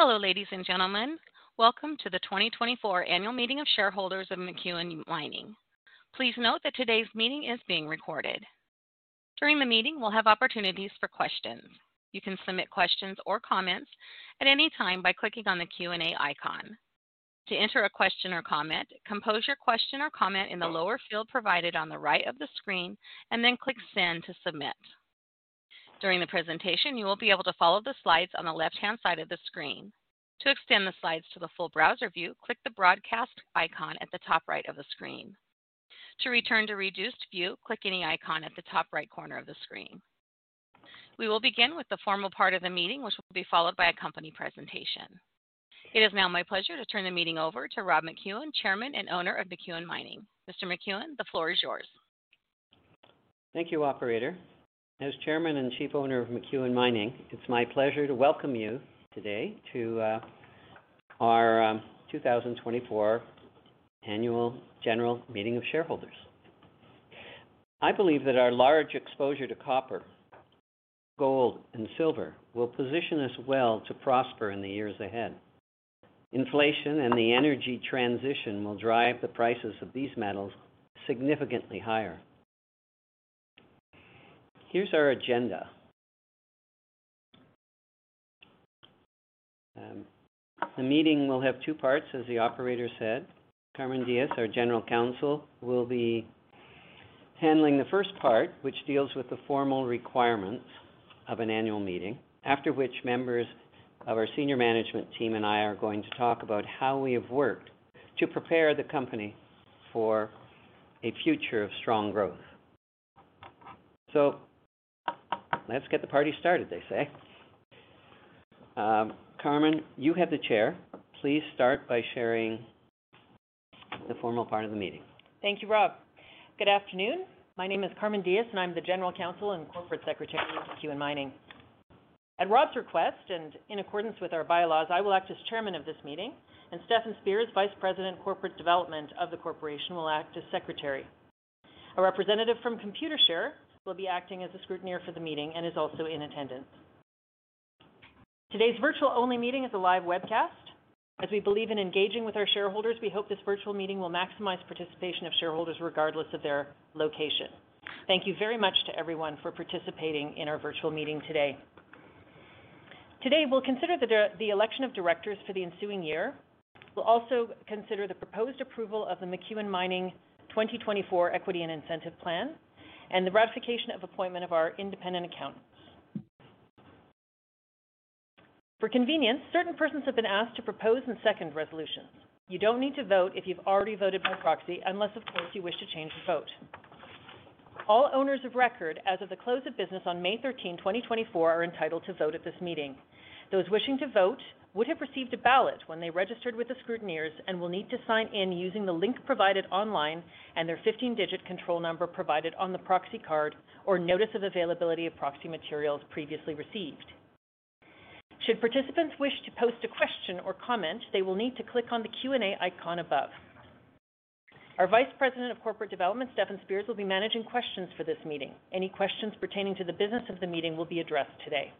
Hello, ladies and gentlemen. Welcome to the 2024 Annual Meeting of Shareholders of McEwen Mining. Please note that today's meeting is being recorded. During the meeting, we'll have opportunities for questions. You can submit questions or comments at any time by clicking on the Q&A icon. To enter a question or comment, compose your question or comment in the lower field provided on the right of the screen, and then click Send to submit. During the presentation, you will be able to follow the slides on the left-hand side of the screen. To extend the slides to the full browser view, click the Broadcast icon at the top right of the screen. To return to reduced view, click any icon at the top right corner of the screen. We will begin with the formal part of the meeting, which will be followed by a company presentation. It is now my pleasure to turn the meeting over to Rob McEwen, chairman and owner of McEwen Mining. Mr. McEwen, the floor is yours. Thank you, operator. As Chairman and Chief Owner of McEwen Mining, it's my pleasure to welcome you today to our 2024 Annual General Meeting of Shareholders. I believe that our large exposure to copper, gold, and silver will position us well to prosper in the years ahead. Inflation and the energy transition will drive the prices of these metals significantly higher. Here's our agenda. The meeting will have two parts, as the operator said. Carmen Diges, our general counsel, will be handling the first part, which deals with the formal requirements of an annual meeting, after which members of our senior management team and I are going to talk about how we have worked to prepare the company for a future of strong growth. So let's get the party started, they say. Carmen, you have the chair. Please start by sharing the formal part of the meeting. Thank you, Rob. Good afternoon. My name is Carmen Diges, and I'm the General Counsel and Corporate Secretary of McEwen Mining. At Rob's request, and in accordance with our bylaws, I will act as chairman of this meeting, and Stefan Spears, Vice President of Corporate Development of the corporation, will act as secretary. A representative from Computershare will be acting as a scrutineer for the meeting and is also in attendance. Today's virtual-only meeting is a live webcast. As we believe in engaging with our shareholders, we hope this virtual meeting will maximize participation of shareholders regardless of their location. Thank you very much to everyone for participating in our virtual meeting today. Today, we'll consider the election of directors for the ensuing year. We'll also consider the proposed approval of the McEwen Mining 2024 Equity and Incentive Plan and the ratification of appointment of our independent accountants. For convenience, certain persons have been asked to propose and second resolutions. You don't need to vote if you've already voted by proxy, unless, of course, you wish to change your vote. All owners of record as of the close of business on May 13, 2024, are entitled to vote at this meeting. Those wishing to vote would have received a ballot when they registered with the scrutineers and will need to sign in using the link provided online and their 15-digit control number provided on the proxy card or notice of availability of proxy materials previously received. Should participants wish to post a question or comment, they will need to click on the Q&A icon above. Our Vice President of Corporate Development, Stefan Spears, will be managing questions for this meeting. Any questions pertaining to the business of the meeting will be addressed today.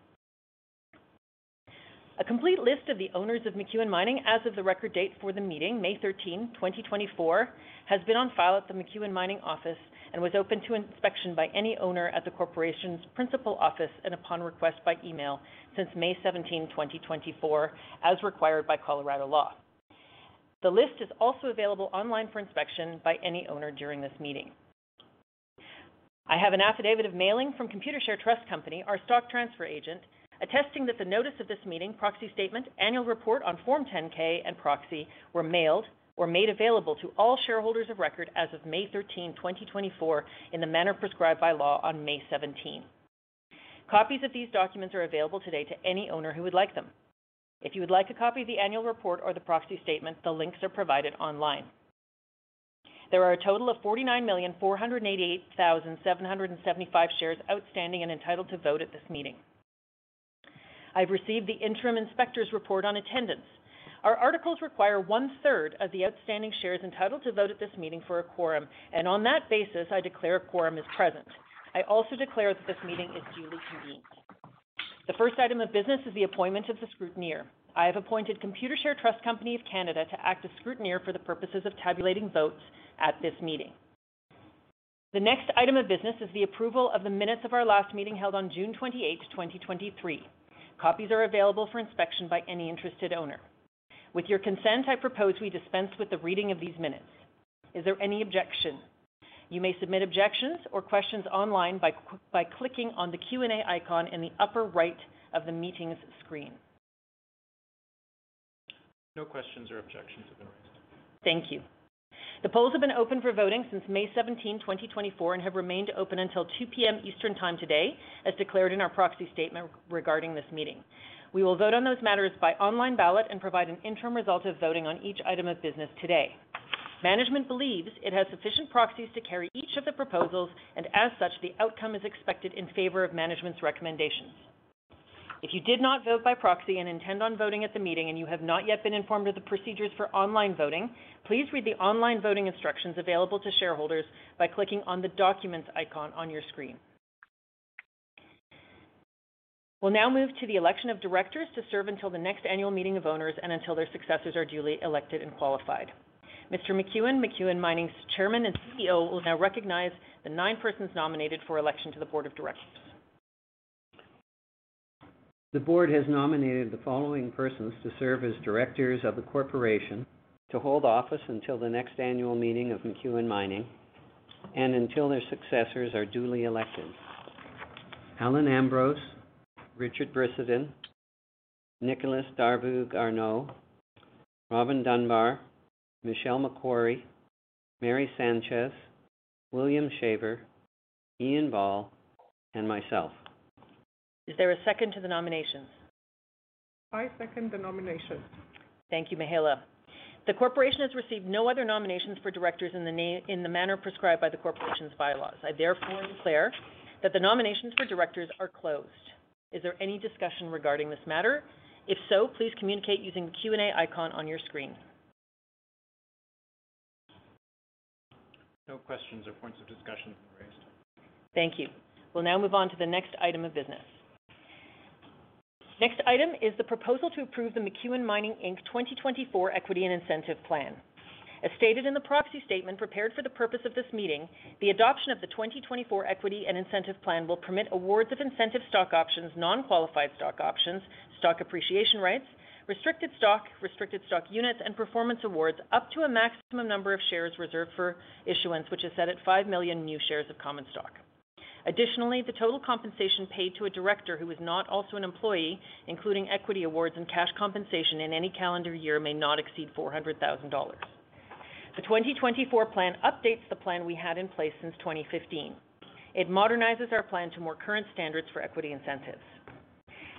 A complete list of the owners of McEwen Mining as of the record date for the meeting, May 13, 2024, has been on file at the McEwen Mining office and was open to inspection by any owner at the corporation's principal office and upon request by email since May 17, 2024, as required by Colorado Law. The list is also available online for inspection by any owner during this meeting. I have an affidavit of mailing from Computershare Trust Company, our Stock transfer agent, attesting that the notice of this meeting, proxy statement, annual report on Form 10-K, and proxy were mailed or made available to all shareholders of record as of May 13, 2024, in the manner prescribed by law on May 17. Copies of these documents are available today to any owner who would like them. If you would like a copy of the annual report or the proxy statement, the links are provided online. There are a total of 49,488,775 shares outstanding and entitled to vote at this meeting. I've received the interim inspector's report on attendance. Our articles require one-third of the outstanding shares entitled to vote at this meeting for a quorum, and on that basis, I declare a quorum is present. I also declare that this meeting is duly convened. The first item of business is the appointment of the scrutineer. I have appointed Computershare Trust Company of Canada to act as scrutineer for the purposes of tabulating votes at this meeting. The next item of business is the approval of the minutes of our last meeting, held on June 28, 2023. Copies are available for inspection by any interested owner. With your consent, I propose we dispense with the reading of these minutes. Is there any objection? You may submit objections or questions online by clicking on the Q&A icon in the upper right of the meetings screen. No questions or objections have been raised. Thank you. The polls have been open for voting since May 17, 2024, and have remained open until 2:00 P.M. Eastern Time today, as declared in our proxy statement regarding this meeting. We will vote on those matters by online ballot and provide an interim result of voting on each item of business today. Management believes it has sufficient proxies to carry each of the proposals, and as such, the outcome is expected in favor of management's recommendations. If you did not vote by proxy and intend on voting at the meeting, and you have not yet been informed of the procedures for online voting, please read the online voting instructions available to shareholders by clicking on the Documents icon on your screen. We'll now move to the election of directors to serve until the next annual meeting of owners, and until their successors are duly elected and qualified. Mr. McEwen, McEwen Mining's Chairman and CEO, will now recognize the nine persons nominated for election to the Board of Directors. The board has nominated the following persons to serve as directors of the corporation, to hold office until the next annual meeting of McEwen Mining, and until their successors are duly elected: Allen Ambrose, Richard Brissenden, Nicolas Darveau-Garneau, Robin Dunbar, Michelle Makori, Merri Sanchez, William Shaver, Ian Ball, and myself. Is there a second to the nominations? I second the nominations. Thank you, Mihaela. The corporation has received no other nominations for directors in the manner prescribed by the corporation's bylaws. I therefore declare that the nominations for directors are closed. Is there any discussion regarding this matter? If so, please communicate using the Q&A icon on your screen. No questions or points of discussion have been raised. Thank you. We'll now move on to the next item of business. Next item is the proposal to approve the McEwen Mining Inc 2024 Equity and Incentive Plan. As stated in the proxy statement prepared for the purpose of this meeting, the adoption of the 2024 Equity and Incentive Plan will permit awards of incentive stock options, non-qualified stock options, stock appreciation rights, restricted stock, restricted stock units, and performance awards, up to a maximum number of shares reserved for issuance, which is set at 5 million new shares of common stock. Additionally, the total compensation paid to a director who is not also an employee, including equity awards and cash compensation in any calendar year, may not exceed $400,000. The 2024 Plan updates the plan we had in place since 2015. It modernizes our plan to more current standards for equity incentives.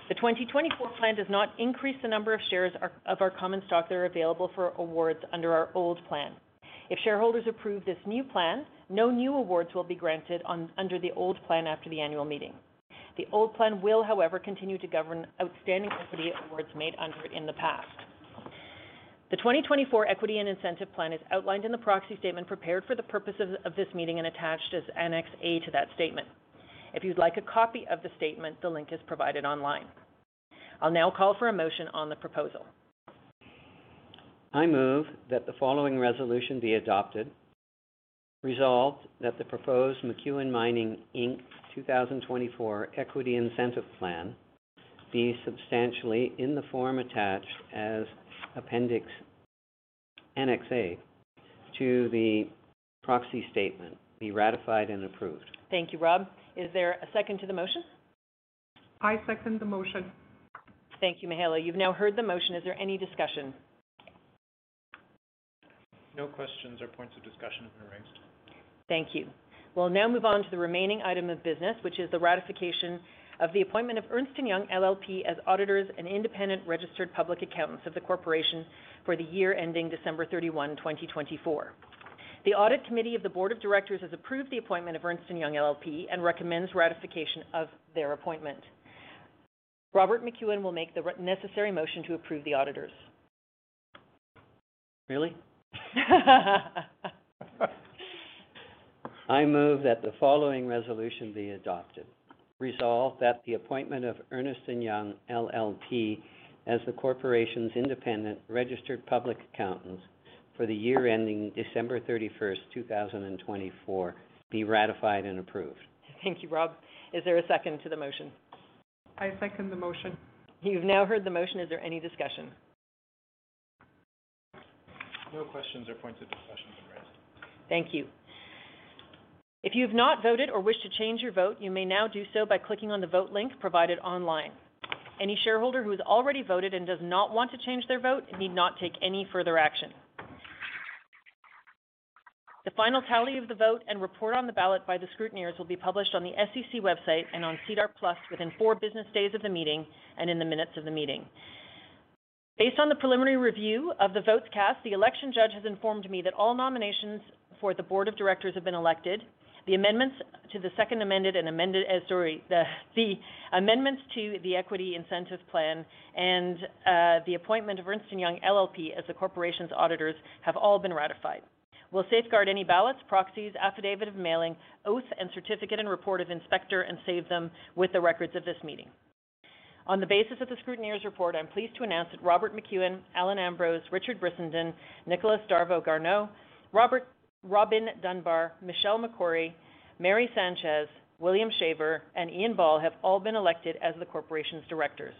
The 2024 Plan does not increase the number of shares of our common stock that are available for awards under our old plan. If shareholders approve this new plan, no new awards will be granted under the old plan after the annual meeting. The old plan will, however, continue to govern outstanding equity awards made under it in the past. The 2024 Equity and Incentive Plan is outlined in the proxy statement prepared for the purpose of this meeting and attached as Annex A to that statement. If you'd like a copy of the statement, the link is provided online. I'll now call for a motion on the proposal. I move that the following resolution be adopted: resolved, that the proposed McEwen Mining Inc 2024 Equity Incentive Plan be substantially in the form attached as Annex A to the proxy statement, be ratified and approved. Thank you, Rob. Is there a second to the motion? I second the motion. Thank you, Mihaela. You've now heard the motion. Is there any discussion? No questions or points of discussion have been raised. Thank you. We'll now move on to the remaining item of business, which is the ratification of the appointment of Ernst & Young LLP as auditors and independent registered public accountants of the corporation for the year ending December 31, 2024. The audit committee of the Board of Directors has approved the appointment of Ernst & Young LLP and recommends ratification of their appointment. Robert McEwen will make the necessary motion to approve the auditors. Really? I move that the following resolution be adopted. Resolve that the appointment of Ernst & Young LLP as the corporation's independent registered public accountant for the year ending December 31, 2024, be ratified and approved. Thank you, Rob. Is there a second to the motion? I second the motion. You've now heard the motion. Is there any discussion? No questions or points of discussion have been raised. Thank you. If you've not voted or wish to change your vote, you may now do so by clicking on the Vote link provided online. Any shareholder who has already voted and does not want to change their vote need not take any further action. The final tally of the vote and report on the ballot by the scrutineers will be published on the SEC website and on SEDAR+ within four business days of the meeting and in the minutes of the meeting. Based on the preliminary review of the votes cast, the election judge has informed me that all nominations for the Board of Directors have been elected. The amendments to the second amended and amended, the amendments to the equity incentive plan and the appointment of Ernst & Young LLP as the corporation's auditors have all been ratified. We'll safeguard any ballots, proxies, affidavit of mailing, oath and certificate and report of inspector, and save them with the records of this meeting. On the basis of the scrutineers' report, I'm pleased to announce that Robert McEwen, Allen Ambrose, Richard Brissenden, Nicolas Darveau-Garneau, Robin Dunbar, Michelle Makori, Merri Sanchez, William Shaver, and Ian Ball have all been elected as the corporation's directors.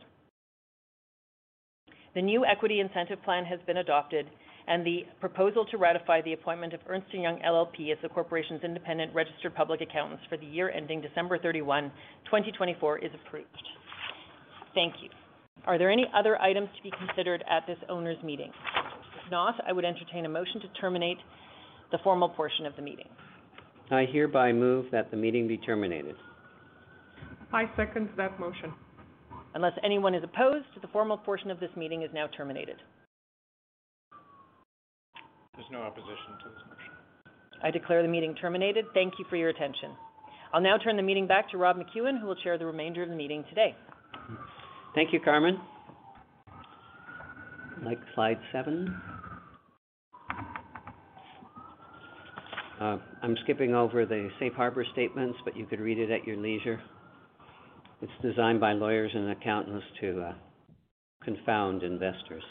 The new equity incentive plan has been adopted, and the proposal to ratify the appointment of Ernst & Young LLP as the corporation's independent registered public accountants for the year ending December 31, 2024, is approved. Thank you. Are there any other items to be considered at this owners' meeting? If not, I would entertain a motion to terminate the formal portion of the meeting. I hereby move that the meeting be terminated. I second that motion. Unless anyone is opposed, the formal portion of this meeting is now terminated. There's no opposition to this motion. I declare the meeting terminated. Thank you for your attention. I'll now turn the meeting back to Rob McEwen, who will chair the remainder of the meeting today. Thank you, Carmen. I'd like slide seven. I'm skipping over the safe harbor statements, but you could read it at your leisure. It's designed by lawyers and accountants to confound investors,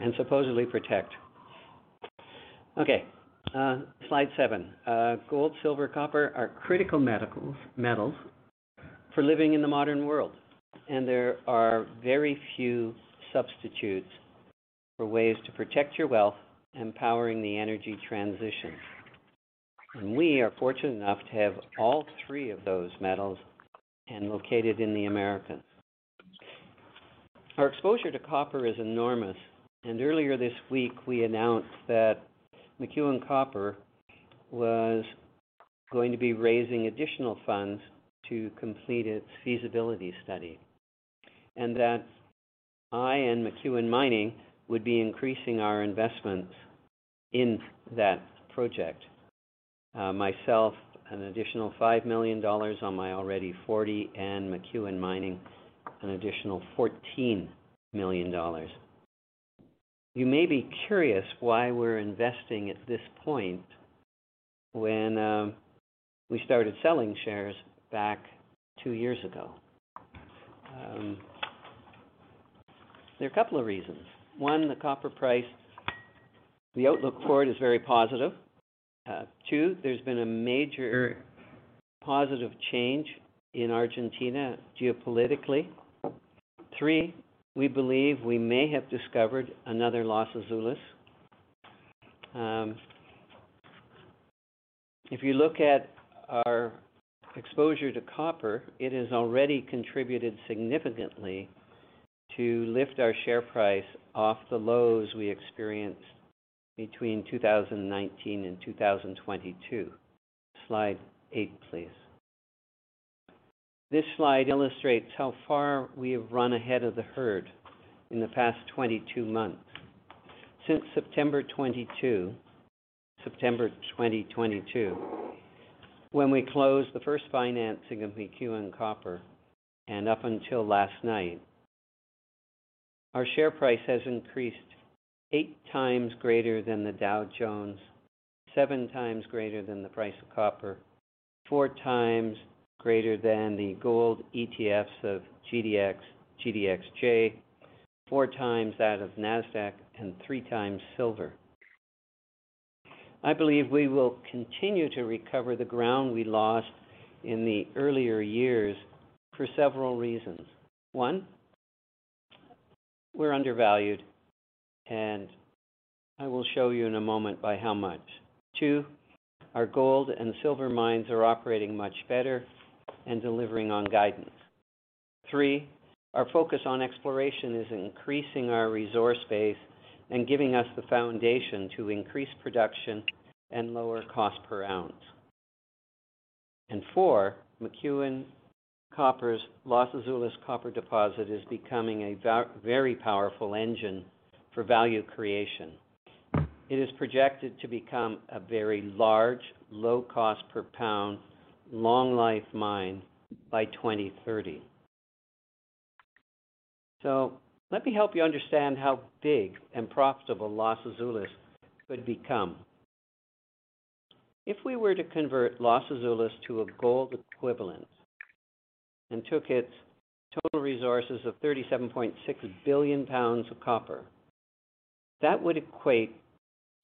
and supposedly protect. Okay, slide seven. Gold, silver, copper are critical metals for living in the modern world, and there are very few substitutes for ways to protect your wealth and powering the energy transition. We are fortunate enough to have all three of those metals and located in the Americas. Our exposure to copper is enormous, and earlier this week, we announced that McEwen Copper was going to be raising additional funds to complete its feasibility study, and that I and McEwen Mining would be increasing our investment in that project. Myself, an additional $5 million on my already $40 million, and McEwen Mining, an additional $14 million. You may be curious why we're investing at this point when we started selling shares back two years ago. There are a couple of reasons. One, the copper price, the outlook for it is very positive. Two, there's been a major positive change in Argentina geopolitically. Three, we believe we may have discovered another Los Azules. If you look at our exposure to copper, it has already contributed significantly to lift our share price off the lows we experienced between 2019 and 2022. Slide eight, please. This slide illustrates how far we have run ahead of the herd in the past 22 months. Since September 2022... September 2022, when we closed the first financing of McEwen Copper, and up until last night, our share price has increased 8 times greater than the Dow Jones, 7 times greater than the price of copper, 4 times greater than the gold ETFs of GDX, GDXJ, 4 times that of Nasdaq, and 3 times Silver. I believe we will continue to recover the ground we lost in the earlier years for several reasons. One, we're undervalued, and I will show you in a moment by how much. Two, our gold and silver mines are operating much better and delivering on guidance. Three, our focus on exploration is increasing our resource base and giving us the foundation to increase production and lower cost per ounce. And four, McEwen Copper's Los Azules copper deposit is becoming a very powerful engine for value creation. It is projected to become a very large, low cost per pound, long life mine by 2030. So let me help you understand how big and profitable Los Azules could become. If we were to convert Los Azules to a gold equivalent and took its total resources of 37.6 billion lbs of copper, that would equate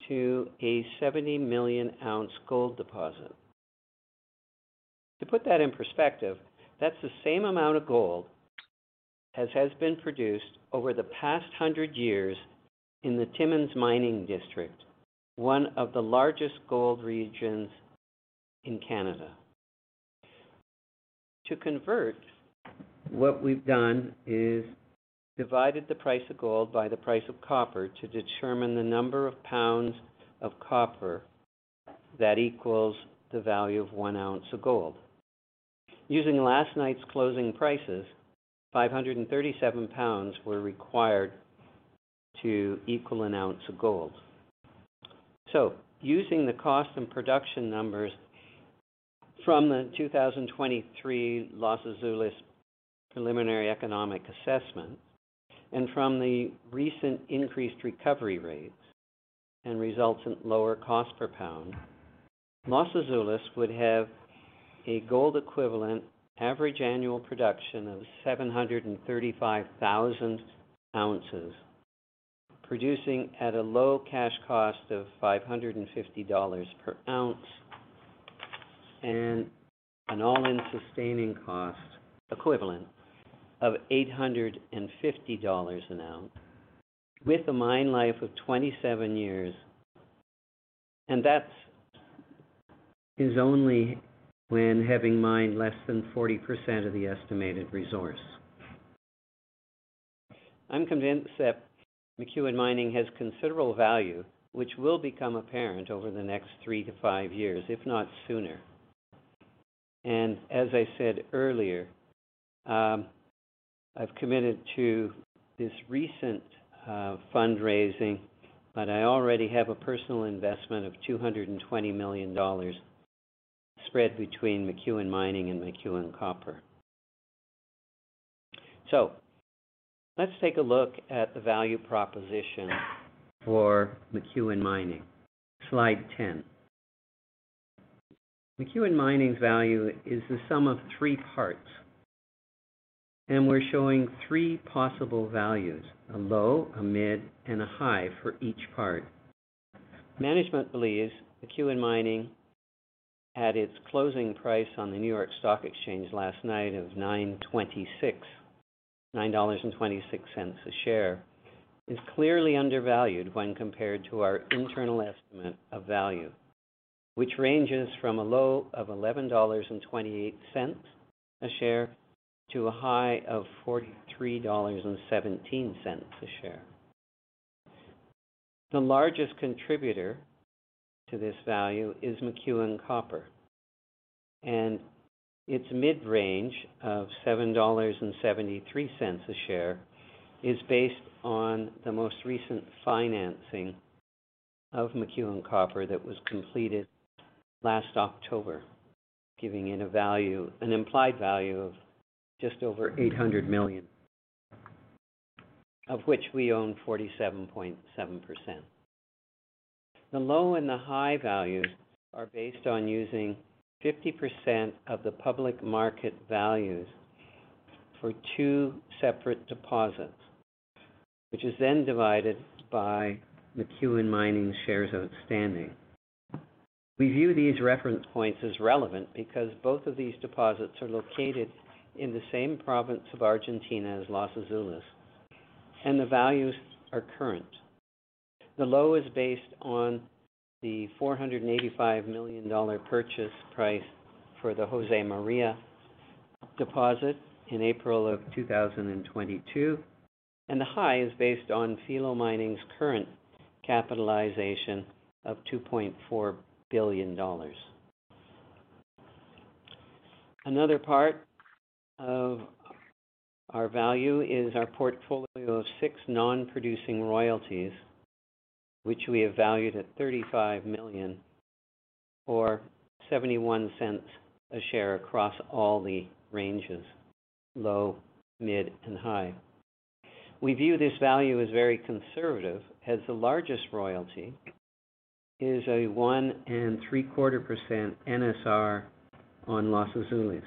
to a 70 million-oz gold deposit. To put that in perspective, that's the same amount of gold as has been produced over the past 100 years in the Timmins mining district, one of the largest gold regions in Canada. To convert, what we've done is divided the price of gold by the price of copper to determine the number of lbs of copper that equals the value of one oz of gold. Using last night's closing prices, 537 lbs were required to equal an oz of gold. Using the cost and production numbers from the 2023 Los Azules Preliminary Economic Assessment, and from the recent increased recovery rates and resultant lower cost per lb, Los Azules would have a gold equivalent average annual production of 735,000 oz, producing at a low cash cost of $550 per oz and an all-in sustaining cost equivalent of $850 an oz with a mine life of 27 years. And that's only when having mined less than 40% of the estimated resource. I'm convinced that McEwen Mining has considerable value, which will become apparent over the next three to five years, if not sooner. As I said earlier, I've committed to this recent fundraising, but I already have a personal investment of $220 million spread between McEwen Mining and McEwen Copper. Let's take a look at the value proposition for McEwen Mining. Slide 10. McEwen Mining's value is the sum of three parts, and we're showing three possible values: a low, a mid, and a high for each part. Management believes McEwen Mining, at its closing price on the New York Stock Exchange last night of $9.26 a share, is clearly undervalued when compared to our internal estimate of value, which ranges from a low of $11.28 a share to a high of $43.17 a share. The largest contributor to this value is McEwen Copper, and its mid-range of $7.73 a share is based on the most recent financing of McEwen Copper that was completed last October, giving it a value, an implied value of just over $800 million, of which we own 47.7%. The low and the high values are based on using 50% of the public market values for two separate deposits, which is then divided by McEwen Mining shares outstanding. We view these reference points as relevant because both of these deposits are located in the same province of Argentina as Los Azules, and the values are current. The low is based on the $485 million purchase price for the Josemaria deposit in April 2022, and the high is based on Filo Mining's current capitalization of $2.4 billion. Another part of our value is our portfolio of six non-producing royalties, which we have valued at $35 million, or $0.71 a share across all the ranges, low, mid, and high. We view this value as very conservative, as the largest royalty is a 1.75% NSR on Los Azules.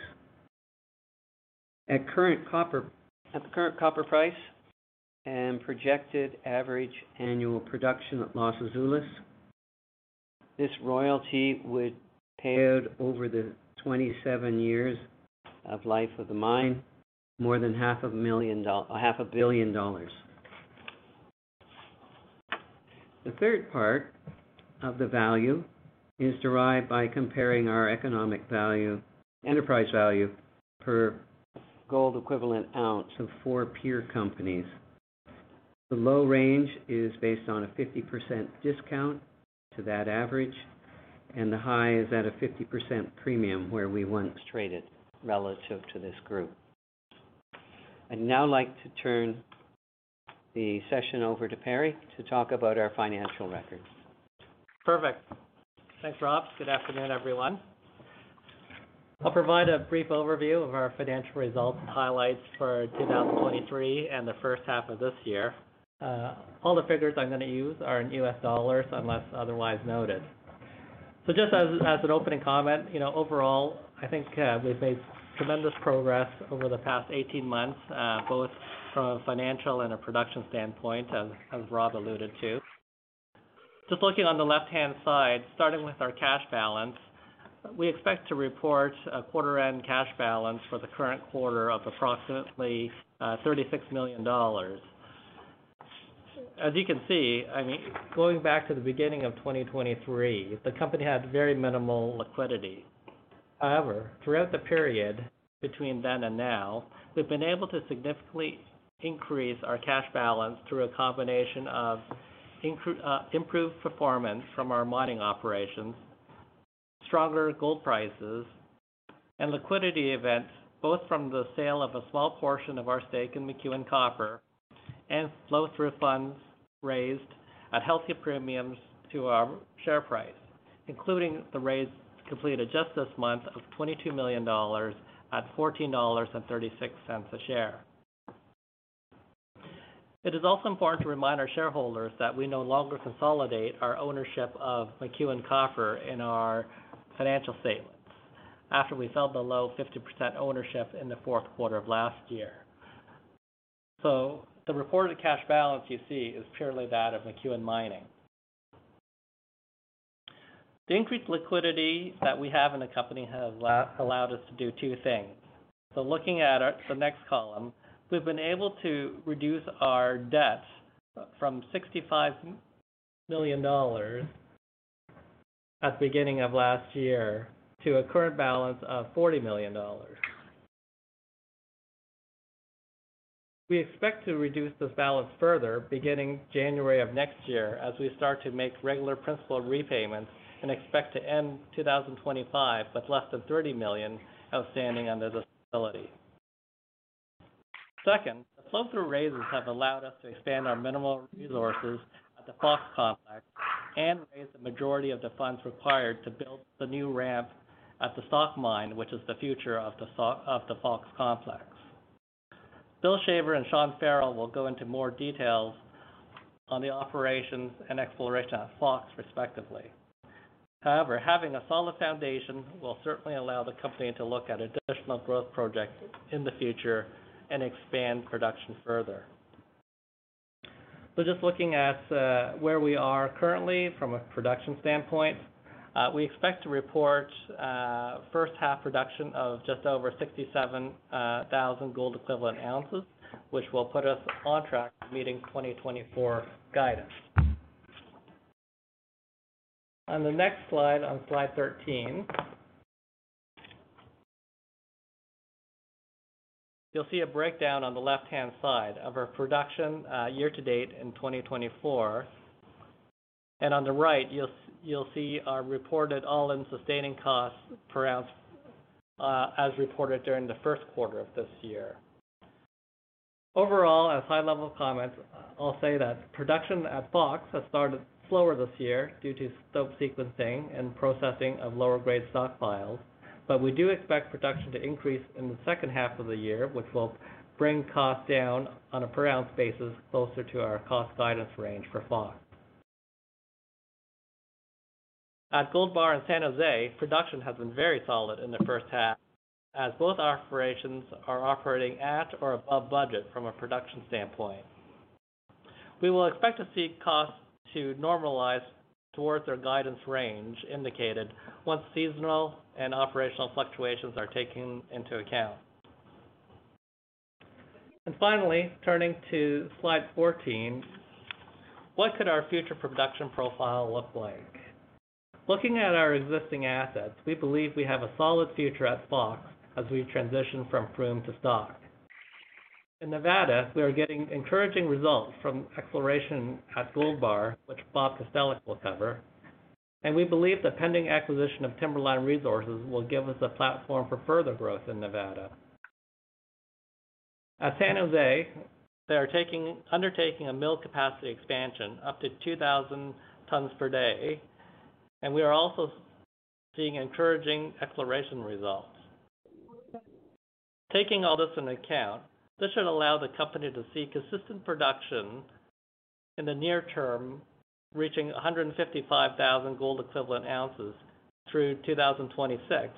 At the current copper price and projected average annual production at Los Azules, this royalty would pay out over the 27 years of life of the mine, more than $500 million. The third part of the value is derived by comparing our economic value, enterprise value per gold equivalent ounce of four peer companies. The low range is based on a 50% discount to that average, and the high is at a 50% premium where we once traded relative to this group. I'd now like to turn the session over to Perry to talk about our financial records. Perfect. Thanks, Rob. Good afternoon, everyone. I'll provide a brief overview of our financial results and highlights for 2023 and the first half of this year. All the figures I'm gonna use are in U.S. dollars, unless otherwise noted. So just as, as an opening comment, you know, overall, I think, we've made tremendous progress over the past 18 months, both from a financial and a production standpoint, as, as Rob alluded to. Just looking on the left-hand side, starting with our cash balance, we expect to report a quarter-end cash balance for the current quarter of approximately $36 million. As you can see, I mean, going back to the beginning of 2023, the company had very minimal liquidity. However, throughout the period between then and now, we've been able to significantly increase our cash balance through a combination of improved performance from our mining operations, stronger gold prices, and liquidity events, both from the sale of a small portion of our stake in McEwen Copper and flow-through funds raised at healthy premiums to our share price, including the raise completed just this month of $22 million at $14.36 a share. It is also important to remind our shareholders that we no longer consolidate our ownership of McEwen Copper in our financial statements, after we fell below 50% ownership in the fourth quarter of last year. So the reported cash balance you see is purely that of McEwen Mining. The increased liquidity that we have in the company has allowed us to do two things. So looking at our, the next column, we've been able to reduce our debt from $65 million at the beginning of last year to a current balance of $40 million. We expect to reduce this balance further beginning January of next year, as we start to make regular principal repayments, and expect to end 2025 with less than $30 million outstanding under this facility. Second, the flow-through raises have allowed us to expand our mineral resources at the Fox Complex and raise the majority of the funds required to build the new ramp at the Stock mine, which is the future of the Stock, of the Fox Complex. Bill Shaver and Sean Farrell will go into more details on the operations and exploration at Fox, respectively. However, having a solid foundation will certainly allow the company to look at additional growth projects in the future and expand production further. So just looking at, where we are currently from a production standpoint, we expect to report, first half production of just over 67,000 gold equivalent oz, which will put us on track to meeting 2024 guidance. On the next slide, on slide 13, you'll see a breakdown on the left-hand side of our production, year to date in 2024, and on the right, you'll, you'll see our reported all-in sustaining costs per ounce, as reported during the first quarter of this year. Overall, as high level comments, I'll say that production at Fox has started slower this year due to stope sequencing and processing of lower grade stockpiles. But we do expect production to increase in the second half of the year, which will bring costs down on a per ounce basis, closer to our cost guidance range for Fox. At Gold Bar and San José, production has been very solid in the first half, as both operations are operating at or above budget from a production standpoint. We will expect to see costs to normalize towards our guidance range indicated, once seasonal and operational fluctuations are taken into account. Finally, turning to slide 14, what could our future production profile look like? Looking at our existing assets, we believe we have a solid future at Fox as we transition from Froome to stock. In Nevada, we are getting encouraging results from exploration at Gold Bar, which Bob Kastelic will cover, and we believe the pending acquisition of Timberline Resources will give us a platform for further growth in Nevada. At San José, they are undertaking a mill capacity expansion up to 2,000 tons per day, and we are also seeing encouraging exploration results. Taking all this into account, this should allow the company to see consistent production in the near term, reaching 155,000 gold equivalent oz through 2026,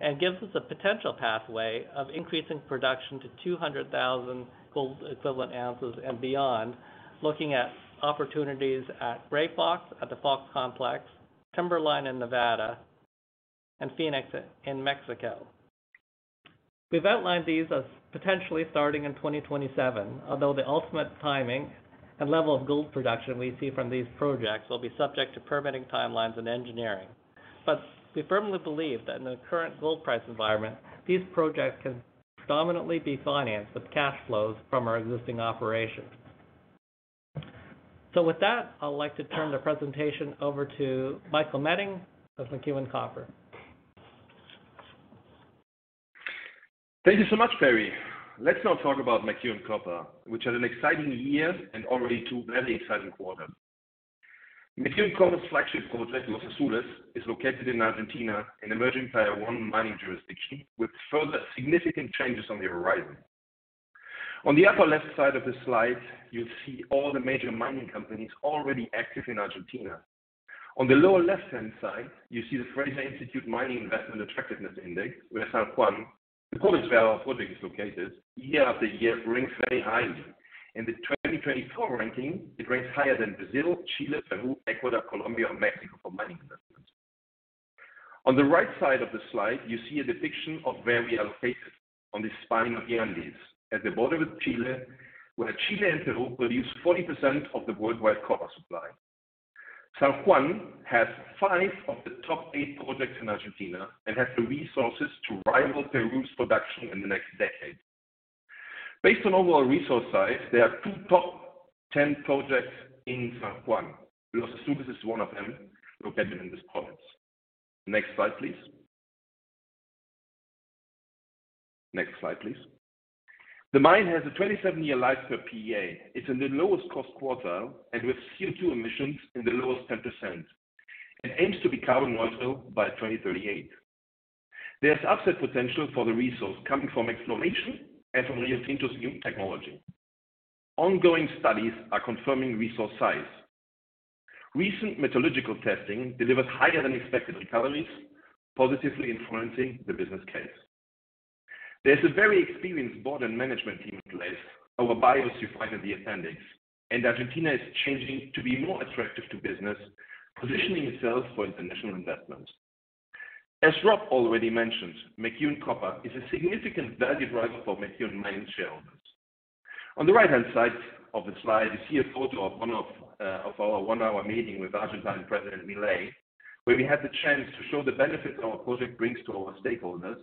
and gives us a potential pathway of increasing production to 200,000 gold equivalent oz and beyond. Looking at opportunities at Grey Fox, at the Fox Complex, Timberline in Nevada and Fénix in Mexico. We've outlined these as potentially starting in 2027, although the ultimate timing and level of gold production we see from these projects will be subject to permitting timelines and engineering. But we firmly believe that in the current gold price environment, these projects can predominantly be financed with cash flows from our existing operations. So with that, I'd like to turn the presentation over to Michael Meding of McEwen Copper. Thank you so much, Perry. Let's now talk about McEwen Copper, which had an exciting year and already two very exciting quarters. McEwen Copper's flagship project, Los Azules, is located in Argentina, an emerging Tier One mining jurisdiction, with further significant changes on the horizon. On the upper left side of the slide, you'll see all the major mining companies already active in Argentina. On the lower left-hand side, you see the Fraser Institute Mining Investment Attractiveness Index, where San Juan, the province where our project is located, year after year, ranks very highly. In the 2024 ranking, it ranks higher than Brazil, Chile, Peru, Ecuador, Colombia and Mexico for mining investments. On the right side of the slide, you see a depiction of where we are located on the spine of the Andes, at the border with Chile, where Chile and Peru produce 40% of the worldwide copper supply. San Juan has 5 of the top 8 projects in Argentina and has the resources to rival Peru's production in the next decade. Based on overall resource size, there are 2 top 10 projects in San Juan. Los Azules is one of them located in this province. Next slide, please. Next slide, please. The mine has a 27-year life per PEA. It's in the lowest cost quartile and with CO₂ emissions in the lowest 10%, and aims to be carbon neutral by 2038. There's upside potential for the resource coming from exploration and from Rio Tinto's new technology. Ongoing studies are confirming resource size. Recent metallurgical testing delivers higher than expected recoveries, positively influencing the business case. There's a very experienced board and management team in place. Our bios you find in the appendix, and Argentina is changing to be more attractive to business, positioning itself for international investment. As Rob already mentioned, McEwen Copper is a significant value driver for McEwen Mining shareholders. On the right-hand side of the slide, you see a photo of one of our one-hour meeting with Argentine President Milei, where we had the chance to show the benefits our project brings to our stakeholders.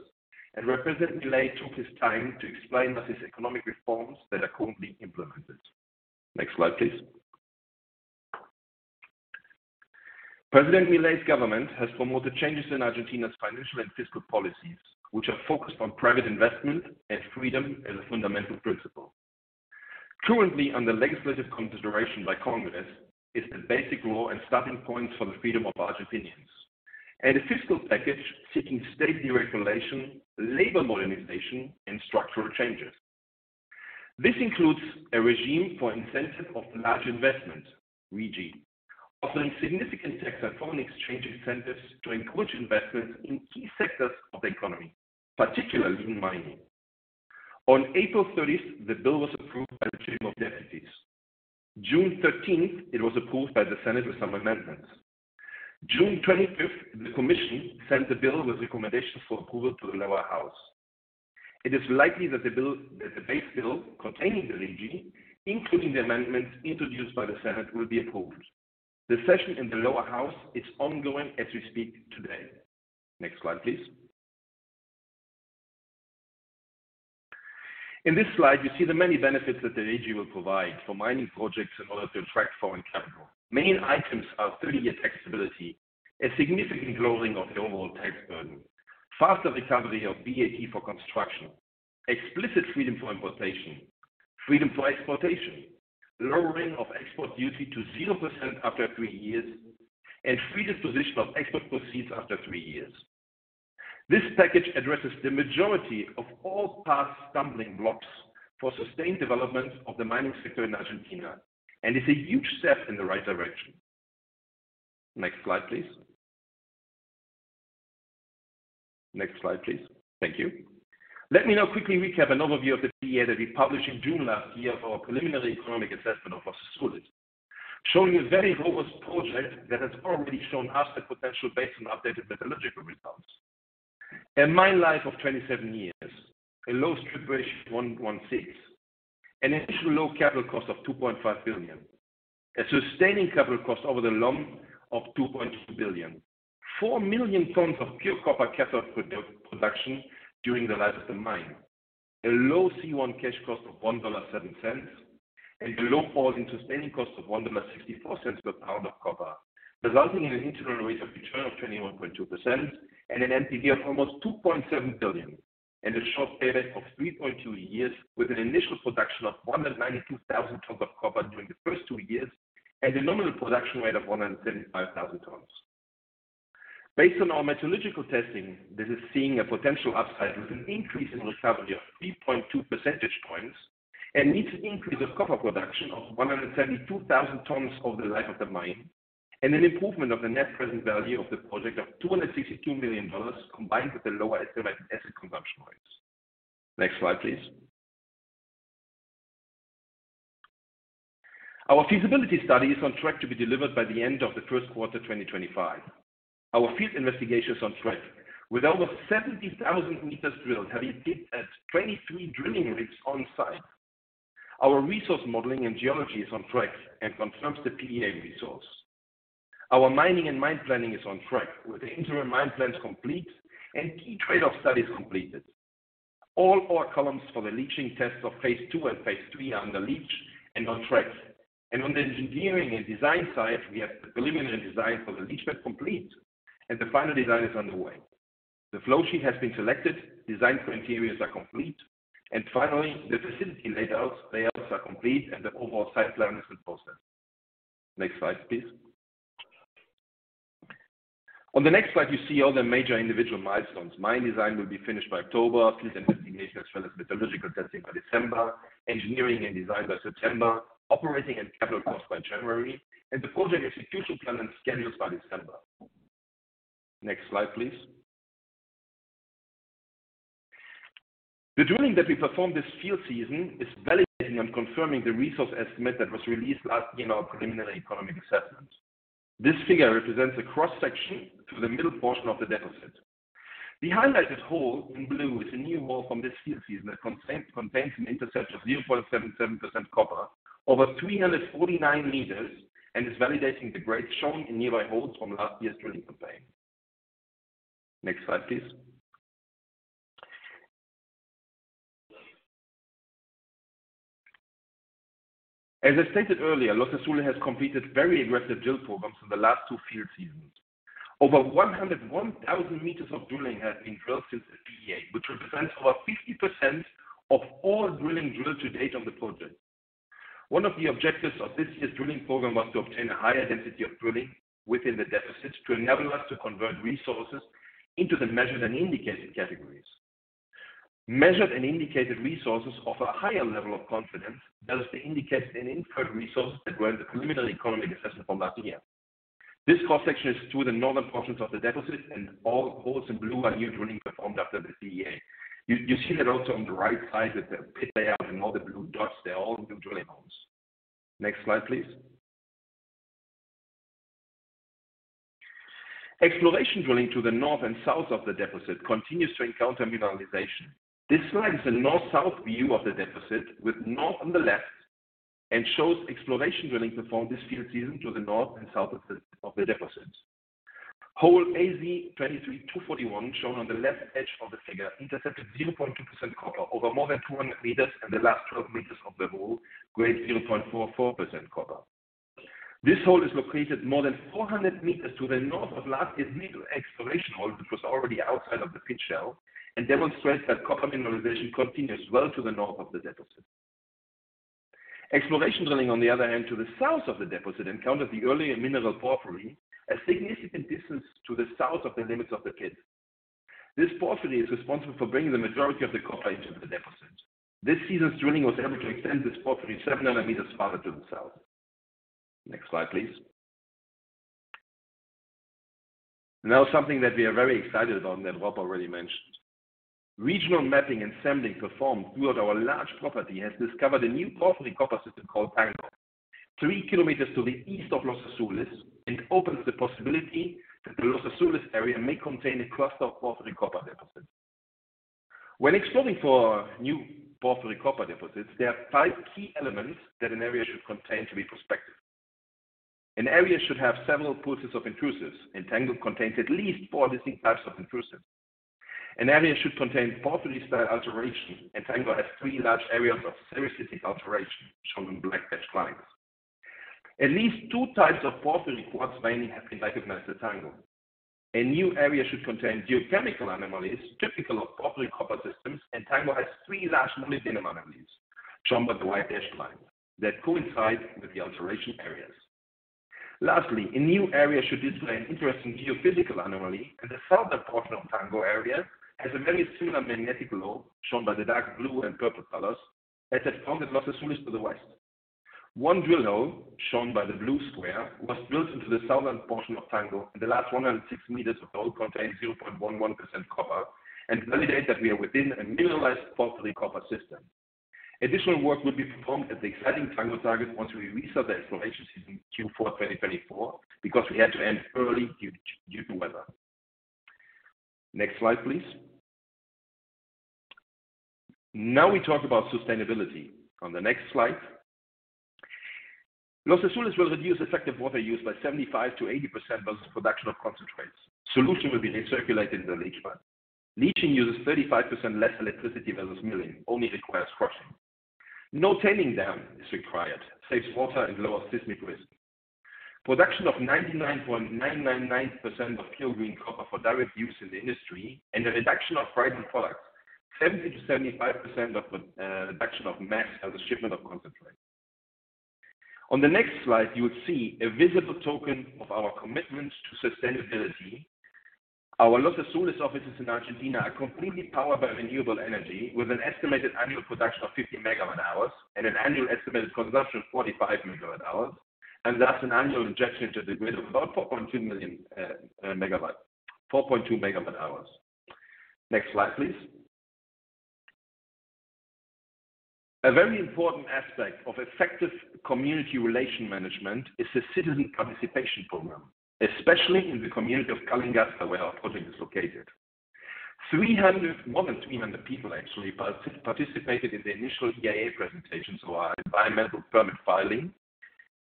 And where President Milei took his time to explain us his economic reforms that are currently implemented. Next slide, please. President Milei's government has promoted changes in Argentina's financial and fiscal policies, which are focused on private investment and freedom as a fundamental principle... Currently, under legislative consideration by Congress is the basic law and starting point for the freedom of the Argentines, and a fiscal package seeking state deregulation, labor modernization, and structural changes. This includes a regime for incentive of large investment, RIGI, offering significant tax and foreign exchange incentives to encourage investments in key sectors of the economy, particularly in mining. On April 30th, the bill was approved by the Chamber of Deputies. June 13th, it was approved by the Senate with some amendments. June 25th, the commission sent the bill with recommendations for approval to the Lower House. It is likely that the bill, that the base bill containing the RIGI, including the amendments introduced by the Senate, will be approved. The session in the Lower House is ongoing as we speak today. Next slide, please. In this slide, you see the many benefits that the RIGI will provide for mining projects in order to attract foreign capital. Main items are 30-year tax stability, a significant lowering of the overall tax burden, faster recovery of VAT for construction, explicit freedom for importation, freedom for exportation, lowering of export duty to 0% after three years, and free disposition of export proceeds after three years. This package addresses the majority of all past stumbling blocks for sustained development of the mining sector in Argentina, and it's a huge step in the right direction. Next slide, please. Next slide, please. Thank you. Let me now quickly recap an overview of the PEA that we published in June last year for our preliminary economic assessment of Los Azules, showing a very robust project that has already shown us the potential based on updated metallurgical results. A mine life of 27 years, a low strip ratio of 1:6, an initial low capital cost of $2.5 billion, a sustaining capital cost over the life of $2.2 billion. 4 million tons of pure copper cathode production during the life of the mine. A low C1 cash cost of $1.07, and a low all-in sustaining cost of $1.64 per lb of copper, resulting in an internal rate of return of 21.2% and an NPV of almost $2.7 billion, and a short payback of 3.2 years with an initial production of 192,000 tons of copper during the first two years, and a nominal production rate of 175,000 tons. Based on our metallurgical testing, this is seeing a potential upside with an increase in recovery of 3.2 percentage points and needs an increase of copper production of 172,000 tons over the life of the mine, and an improvement of the net present value of the project of $262 million, combined with the lower estimated acid consumption rates. Next slide, please. Our feasibility study is on track to be delivered by the end of the first quarter 2025. Our field investigation is on track. With over 70,000 m drilled, having been at 23 drilling rigs on site. Our resource modeling and geology is on track and confirms the PEA resource. Our mining and mine planning is on track, with the interim mine plans complete and key trade-off studies completed. All ore columns for the leaching tests of phase II and phase III are under leach and on track. On the engineering and design side, we have the preliminary design for the leach pad complete, and the final design is on the way. The flow sheet has been selected, design for interiors are complete, and finally, the facility laid out, layouts are complete and the overall site plan is in process. Next slide, please. On the next slide, you see all the major individual milestones. Mine design will be finished by October, field investigation as well as metallurgical testing by December, engineering and design by September, operating and capital costs by January, and the project execution plan and schedules by December. Next slide, please. The drilling that we performed this field season is validating and confirming the resource estimate that was released last year in our Preliminary Economic Assessment. This figure represents a cross-section through the middle portion of the deficit. The highlighted hole in blue is a new hole from this field season that contains an intercept of 0.77% copper over 349 m, and is validating the grades shown in nearby holes from last year's drilling campaign. Next slide, please. As I stated earlier, Los Azules has completed very aggressive drill programs in the last two field seasons. Over 101,000 m of drilling has been drilled since the PEA, which represents over 50% of all drilling drilled to date on the project. One of the objectives of this year's drilling program was to obtain a higher density of drilling within the deficit, to enable us to convert resources into the measured and indicated categories. Measured and indicated resources offer a higher level of confidence, thus they indicate an inferred resource that were in the preliminary economic assessment from last year. This cross-section is to the northern portions of the deficit, and all holes in blue are new drilling performed after the PEA. You see that also on the right side, with the pit layout and all the blue dots, they're all new drilling holes. Next slide, please. Exploration drilling to the north and south of the deficit continues to encounter mineralization. This slide is a north-south view of the deficit, with north on the left, and shows exploration drilling performed this field season to the north and south of the deficit. Hole AZ-23-241, shown on the left edge of the figure, intercepted 0.2% copper over more than 200 m, and the last 12 m of the hole grade 0.44% copper. This hole is located more than 400 m to the north of last year's middle exploration hole, which was already outside of the pit shell, and demonstrates that copper mineralization continues well to the north of the deposit. Exploration drilling, on the other hand, to the south of the deposit, encountered the earlier mineral porphyry, a significant distance to the south of the limits of the pit. This porphyry is responsible for bringing the majority of the copper into the deposit. This season's drilling was able to extend this porphyry 700 meters farther to the south. Next slide, please. Now, something that we are very excited about that Rob already mentioned. Regional mapping and sampling performed throughout our large property has discovered a new porphyry copper system called Tango, 3 km to the east of Los Azules, and opens the possibility that the Los Azules area may contain a cluster of porphyry copper deposits. When exploring for new porphyry copper deposits, there are five key elements that an area should contain to be prospective. An area should have several pulses of intrusives, and Tango contains at least four distinct types of intrusives. An area should contain porphyry-style alteration, and Tango has three large areas of sericitic alteration, shown in black dashed lines. At least two types of porphyry quartz veining have been recognized at Tango. A new area should contain geochemical anomalies typical of porphyry copper systems, and Tango has three large molybdenum anomalies, shown by the white dashed line, that coincide with the alteration areas. Lastly, a new area should display an interesting geophysical anomaly, and the southern portion of Tango area has a very similar magnetic low, shown by the dark blue and purple colors, as at Los Azules to the west. One drill hole, shown by the blue square, was built into the southern portion of Tango, and the last 160 m of the hole contained 0.11% copper and validates that we are within a mineralized porphyry copper system. Additional work will be performed at the exciting Tango target once we restart the exploration season in Q4 2024, because we had to end early due to weather. Next slide, please. Now we talk about sustainability. On the next slide, Los Azules will reduce effective water use by 75%-80% versus production of concentrates. Solution will be recirculated in the leach plant. Leaching uses 35% less electricity versus milling, only requires crushing. No tailings dam is required, saves water and lower seismic risk. Production of 99.999% pure green copper for direct use in the industry and a reduction of byproducts, 70%-75% reduction of mass as a shipment of concentrate. On the next slide, you will see a visible token of our commitment to sustainability. Our Los Azules offices in Argentina are completely powered by renewable energy, with an estimated annual production of 50 MWh and an annual estimated consumption of 45 MWh, and thus an annual injection into the grid of about 4.2 MWh. Next slide, please. A very important aspect of effective community relation management is the citizen participation program, especially in the community of Calingasta, where our project is located. More than 300 people actually participated in the initial EIA presentations of our environmental permit filing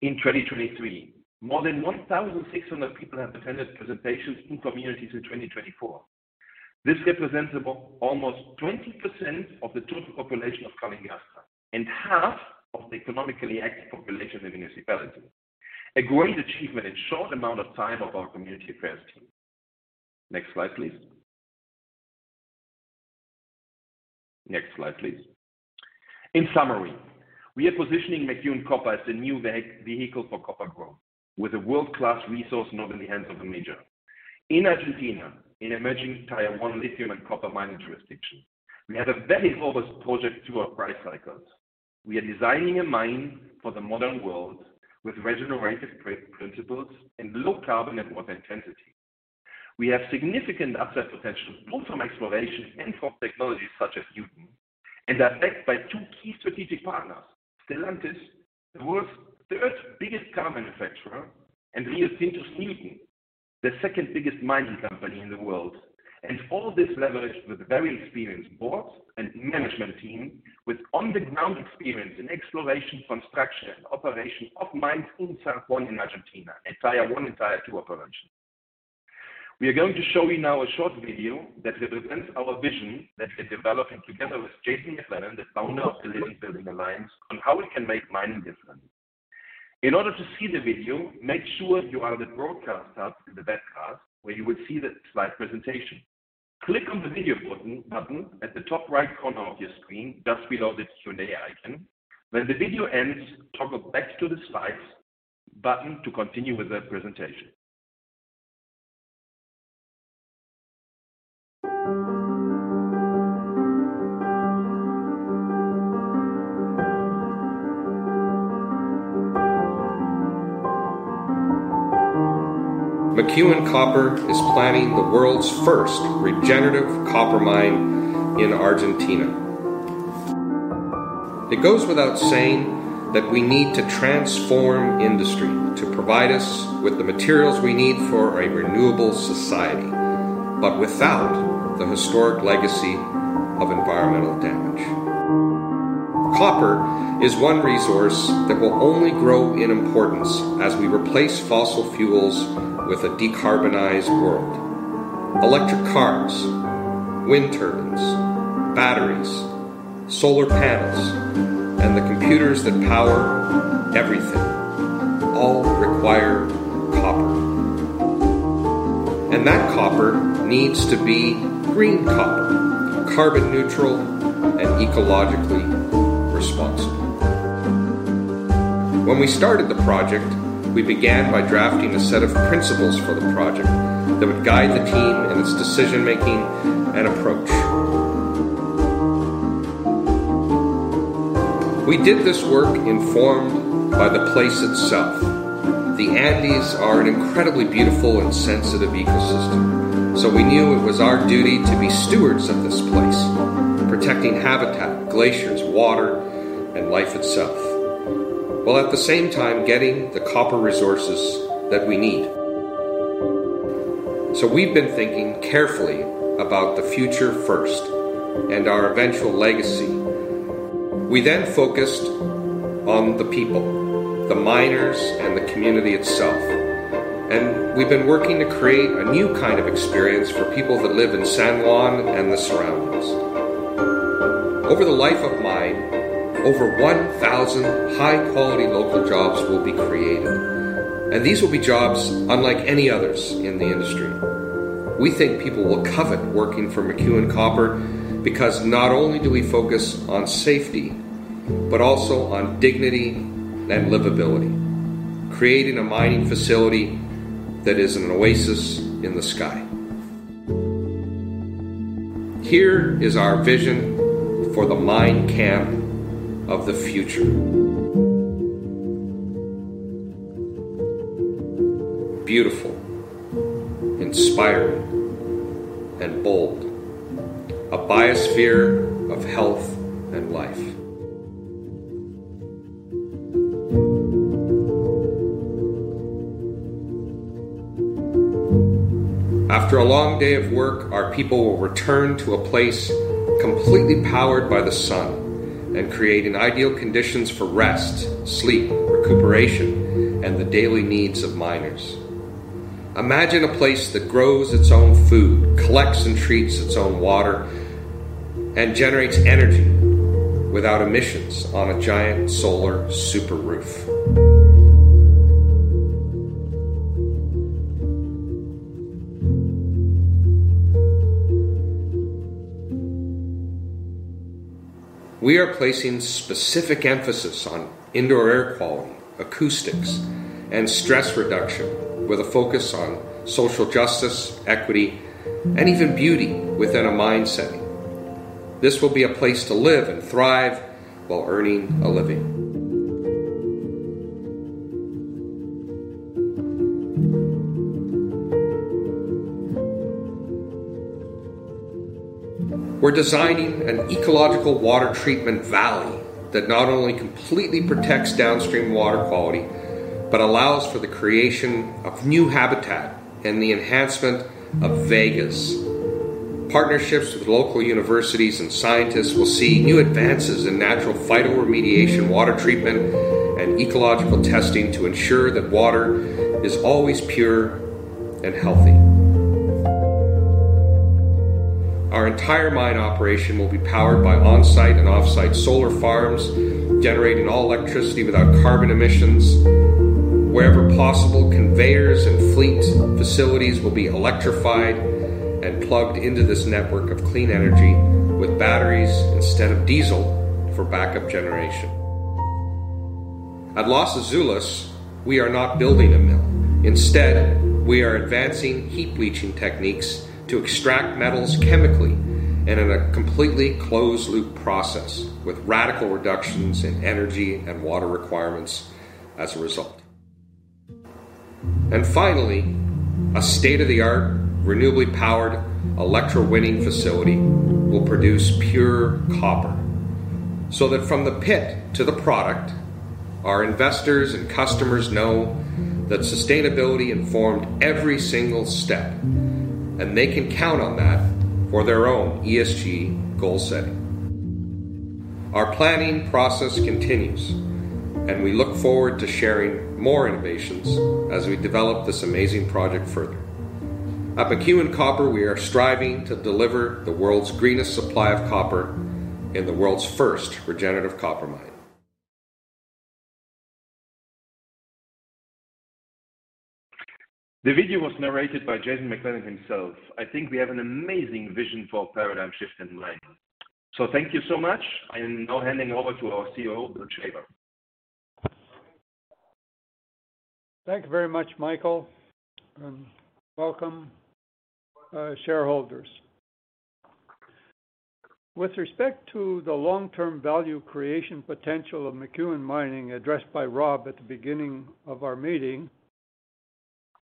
in 2023. More than 1,600 people have attended presentations in communities in 2024. This represents about almost 20% of the total population of Calingasta and half of the economically active population of the municipality. A great achievement in short amount of time of our community affairs team. Next slide, please. Next slide, please. In summary, we are positioning McEwen Copper as the new vehicle for copper growth, with a world-class resource not in the hands of a major. In Argentina, in emerging tier one lithium and copper mining jurisdiction, we have a very robust project through our price cycles. We are designing a mine for the modern world with regenerative principles and low carbon and water intensity. We have significant upside potential, both from exploration and from technologies such as Nuton, and are backed by two key strategic partners, Stellantis, the world's third biggest car manufacturer, and Rio Tinto, the second biggest mining company in the world. All this leverage with a very experienced board and management team, with on-the-ground experience in exploration, construction, and operation of mines in San Juan in Argentina, a tier one and tier two operation. We are going to show you now a short video that represents our vision that we're developing together with Jason McLennan, the founder of the Living Building Alliance, on how we can make mining different. In order to see the video, make sure you are in the broadcast tab in the webcast, where you will see the slide presentation. Click on the video button, button at the top right corner of your screen, just below the Q&A icon. When the video ends, toggle back to the slides button to continue with the presentation. McEwen Copper is planning the world's first regenerative copper mine in Argentina. It goes without saying that we need to transform industry to provide us with the materials we need for a renewable society, but without the historic legacy of environmental damage. Copper is one resource that will only grow in importance as we replace fossil fuels with a decarbonized world…. Electric cars, wind turbines, batteries, solar panels, and the computers that power everything all require copper. And that copper needs to be green copper, carbon neutral, and ecologically responsible. When we started the project, we began by drafting a set of principles for the project that would guide the team in its decision-making and approach. We did this work informed by the place itself. The Andes are an incredibly beautiful and sensitive ecosystem, so we knew it was our duty to be stewards of this place, protecting habitat, glaciers, water, and life itself, while at the same time getting the copper resources that we need. So we've been thinking carefully about the future first and our eventual legacy. We then focused on the people, the miners, and the community itself, and we've been working to create a new kind of experience for people that live in San Juan and the surroundings. Over the life of mine, over 1,000 high-quality local jobs will be created, and these will be jobs unlike any others in the industry. We think people will covet working for McEwen Copper because not only do we focus on safety, but also on dignity and livability, creating a mining facility that is an oasis in the sky. Here is our vision for the mine camp of the future. Beautiful, inspiring, and bold. A biosphere of health and life. After a long day of work, our people will return to a place completely powered by the sun and creating ideal conditions for rest, sleep, recuperation, and the daily needs of miners. Imagine a place that grows its own food, collects and treats its own water, and generates energy without emissions on a giant solar super roof. We are placing specific emphasis on indoor air quality, acoustics, and stress reduction, with a focus on social justice, equity, and even beauty within a mine setting. This will be a place to live and thrive while earning a living. We're designing an ecological water treatment valley that not only completely protects downstream water quality, but allows for the creation of new habitat and the enhancement of vegas. Partnerships with local universities and scientists will see new advances in natural phytoremediation, water treatment, and ecological testing to ensure that water is always pure and healthy. Our entire mine operation will be powered by on-site and off-site solar farms, generating all electricity without carbon emissions. Wherever possible, conveyors and fleet facilities will be electrified and plugged into this network of clean energy with batteries instead of diesel for backup generation. At Los Azules, we are not building a mill. Instead, we are advancing heap leaching techniques to extract metals chemically and in a completely closed-loop process, with radical reductions in energy and water requirements as a result. And finally, a state-of-the-art, renewably powered electrowinning facility will produce pure copper, so that from the pit to the product, our investors and customers know that sustainability informed every single step, and they can count on that for their own ESG goal setting. Our planning process continues, and we look forward to sharing more innovations as we develop this amazing project further. At McEwen Copper, we are striving to deliver the world's greenest supply of copper in the world's first regenerative copper mine. The video was narrated by Jason F. McLennan himself. I think we have an amazing vision for paradigm shift in mining. So thank you so much. I am now handing over to our COO, Bill Shaver. Thank you very much, Michael, and welcome, shareholders. With respect to the long-term value creation potential of McEwen Mining, addressed by Rob at the beginning of our meeting,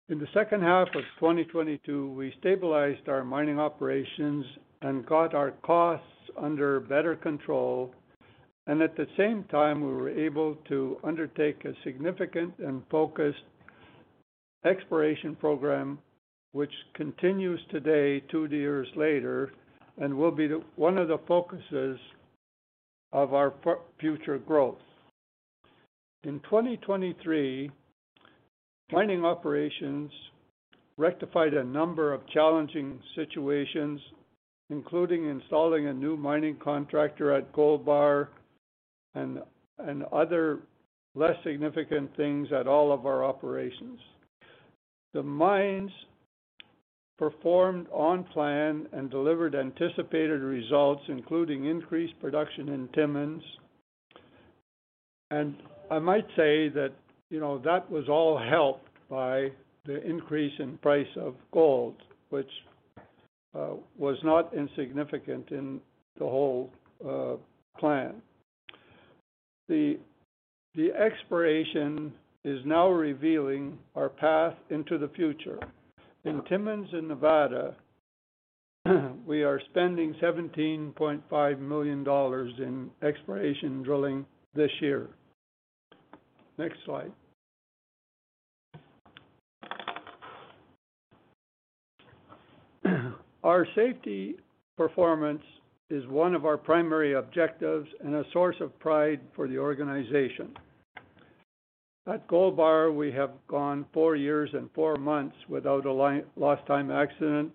in the second half of 2022, we stabilized our mining operations and got our costs under better control. And at the same time, we were able to undertake a significant and focused exploration program, which continues today, two years later, and will be one of the focuses of our future growth. In 2023, mining operations rectified a number of challenging situations, including installing a new mining contractor at Gold Bar and other less significant things at all of our operations. The mines performed on plan and delivered anticipated results, including increased production in Timmins. I might say that, you know, that was all helped by the increase in price of gold, which was not insignificant in the whole plan. The exploration is now revealing our path into the future. In Timmins and Nevada, we are spending $17.5 million in exploration drilling this year. Next slide. Our safety performance is one of our primary objectives and a source of pride for the organization. At Gold Bar, we have gone four years and four months without a lost time accident,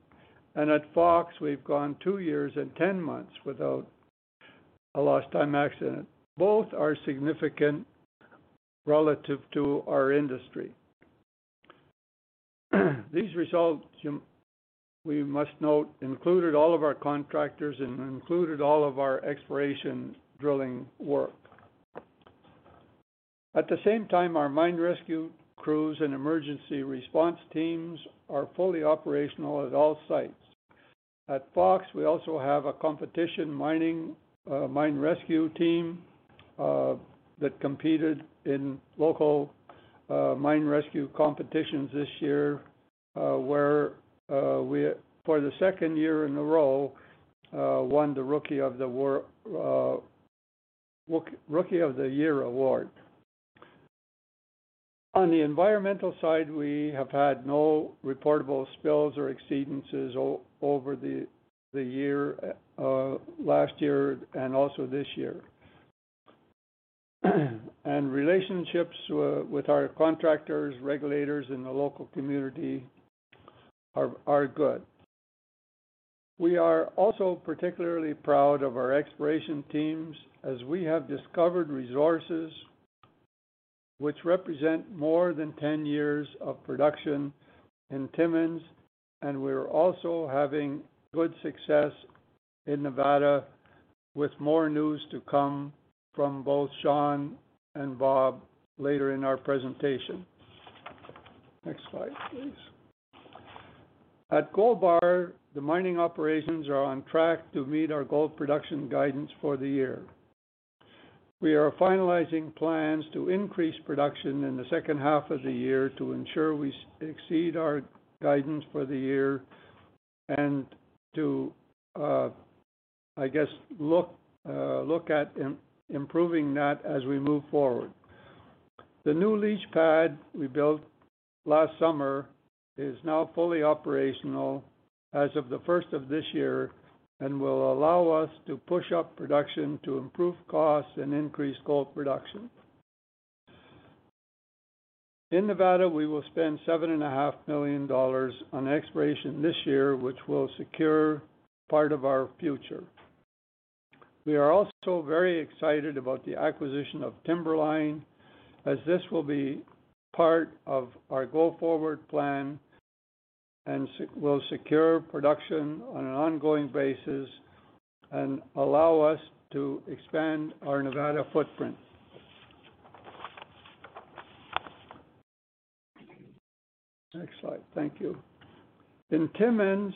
and at Fox, we've gone two years and 10 months without a lost time accident. Both are significant relative to our industry. These results, we must note, included all of our contractors and included all of our exploration drilling work. At the same time, our mine rescue crews and emergency response teams are fully operational at all sites. At Fox, we also have a competition mining mine rescue team that competed in local mine rescue competitions this year, where we, for the second year in a row, won the Rookie of the Year Award. On the environmental side, we have had no reportable spills or exceedances over the year last year and also this year. Relationships with our contractors, regulators, and the local community are good. We are also particularly proud of our exploration teams as we have discovered resources which represent more than 10 years of production in Timmins, and we're also having good success in Nevada, with more news to come from both Sean and Bob later in our presentation. Next slide, please. At Gold Bar, the mining operations are on track to meet our gold production guidance for the year. We are finalizing plans to increase production in the second half of the year to ensure we exceed our guidance for the year and to look at improving that as we move forward. The new leach pad we built last summer is now fully operational as of the first of this year and will allow us to push up production, to improve costs and increase gold production. In Nevada, we will spend $7.5 million on exploration this year, which will secure part of our future. We are also very excited about the acquisition of Timberline, as this will be part of our go-forward plan and will secure production on an ongoing basis and allow us to expand our Nevada footprint. Next slide. Thank you. In Timmins,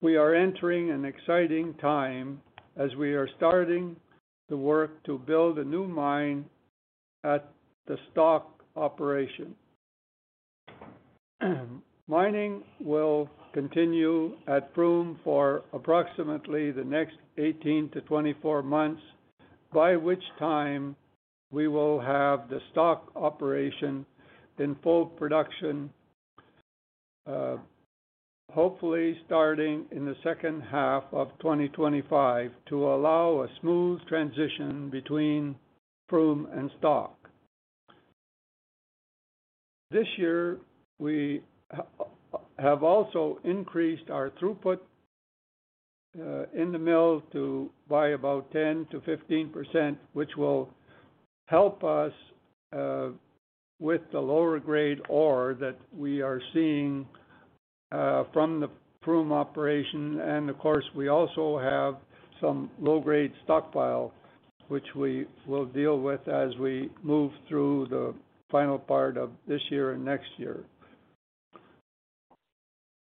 we are entering an exciting time as we are starting the work to build a new mine at the Stock operation. Mining will continue at Froome for approximately the next 18-24 months, by which time we will have the Stock operation in full production, hopefully starting in the second half of 2025, to allow a smooth transition between Froome and Stock. This year, we have also increased our throughput in the mill by about 10%-15%, which will help us with the lower grade ore that we are seeing from the Froome operation. And of course, we also have some low-grade stockpile, which we will deal with as we move through the final part of this year and next year.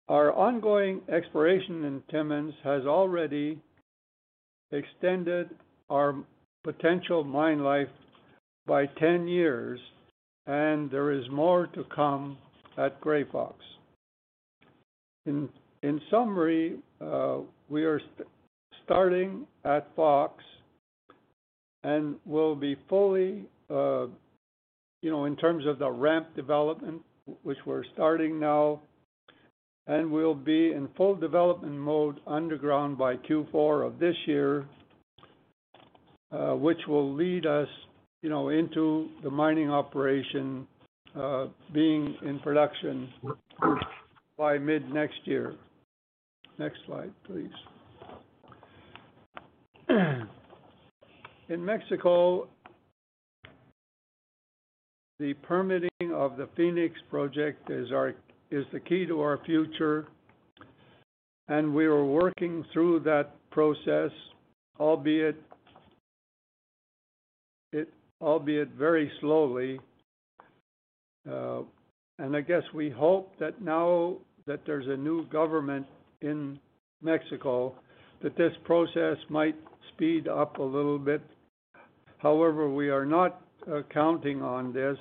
Our ongoing exploration in Timmins has already extended our potential mine life by 10 years, and there is more to come at Grey Fox. In summary, we are starting at Fox and will be fully... You know, in terms of the ramp development, which we're starting now... and we'll be in full development mode underground by Q4 of this year, which will lead us, you know, into the mining operation being in production by mid-next year. Next slide, please. In Mexico, the permitting of the Fenix Project is the key to our future, and we are working through that process, albeit very slowly. And I guess we hope that now that there's a new government in Mexico, that this process might speed up a little bit. However, we are not counting on this.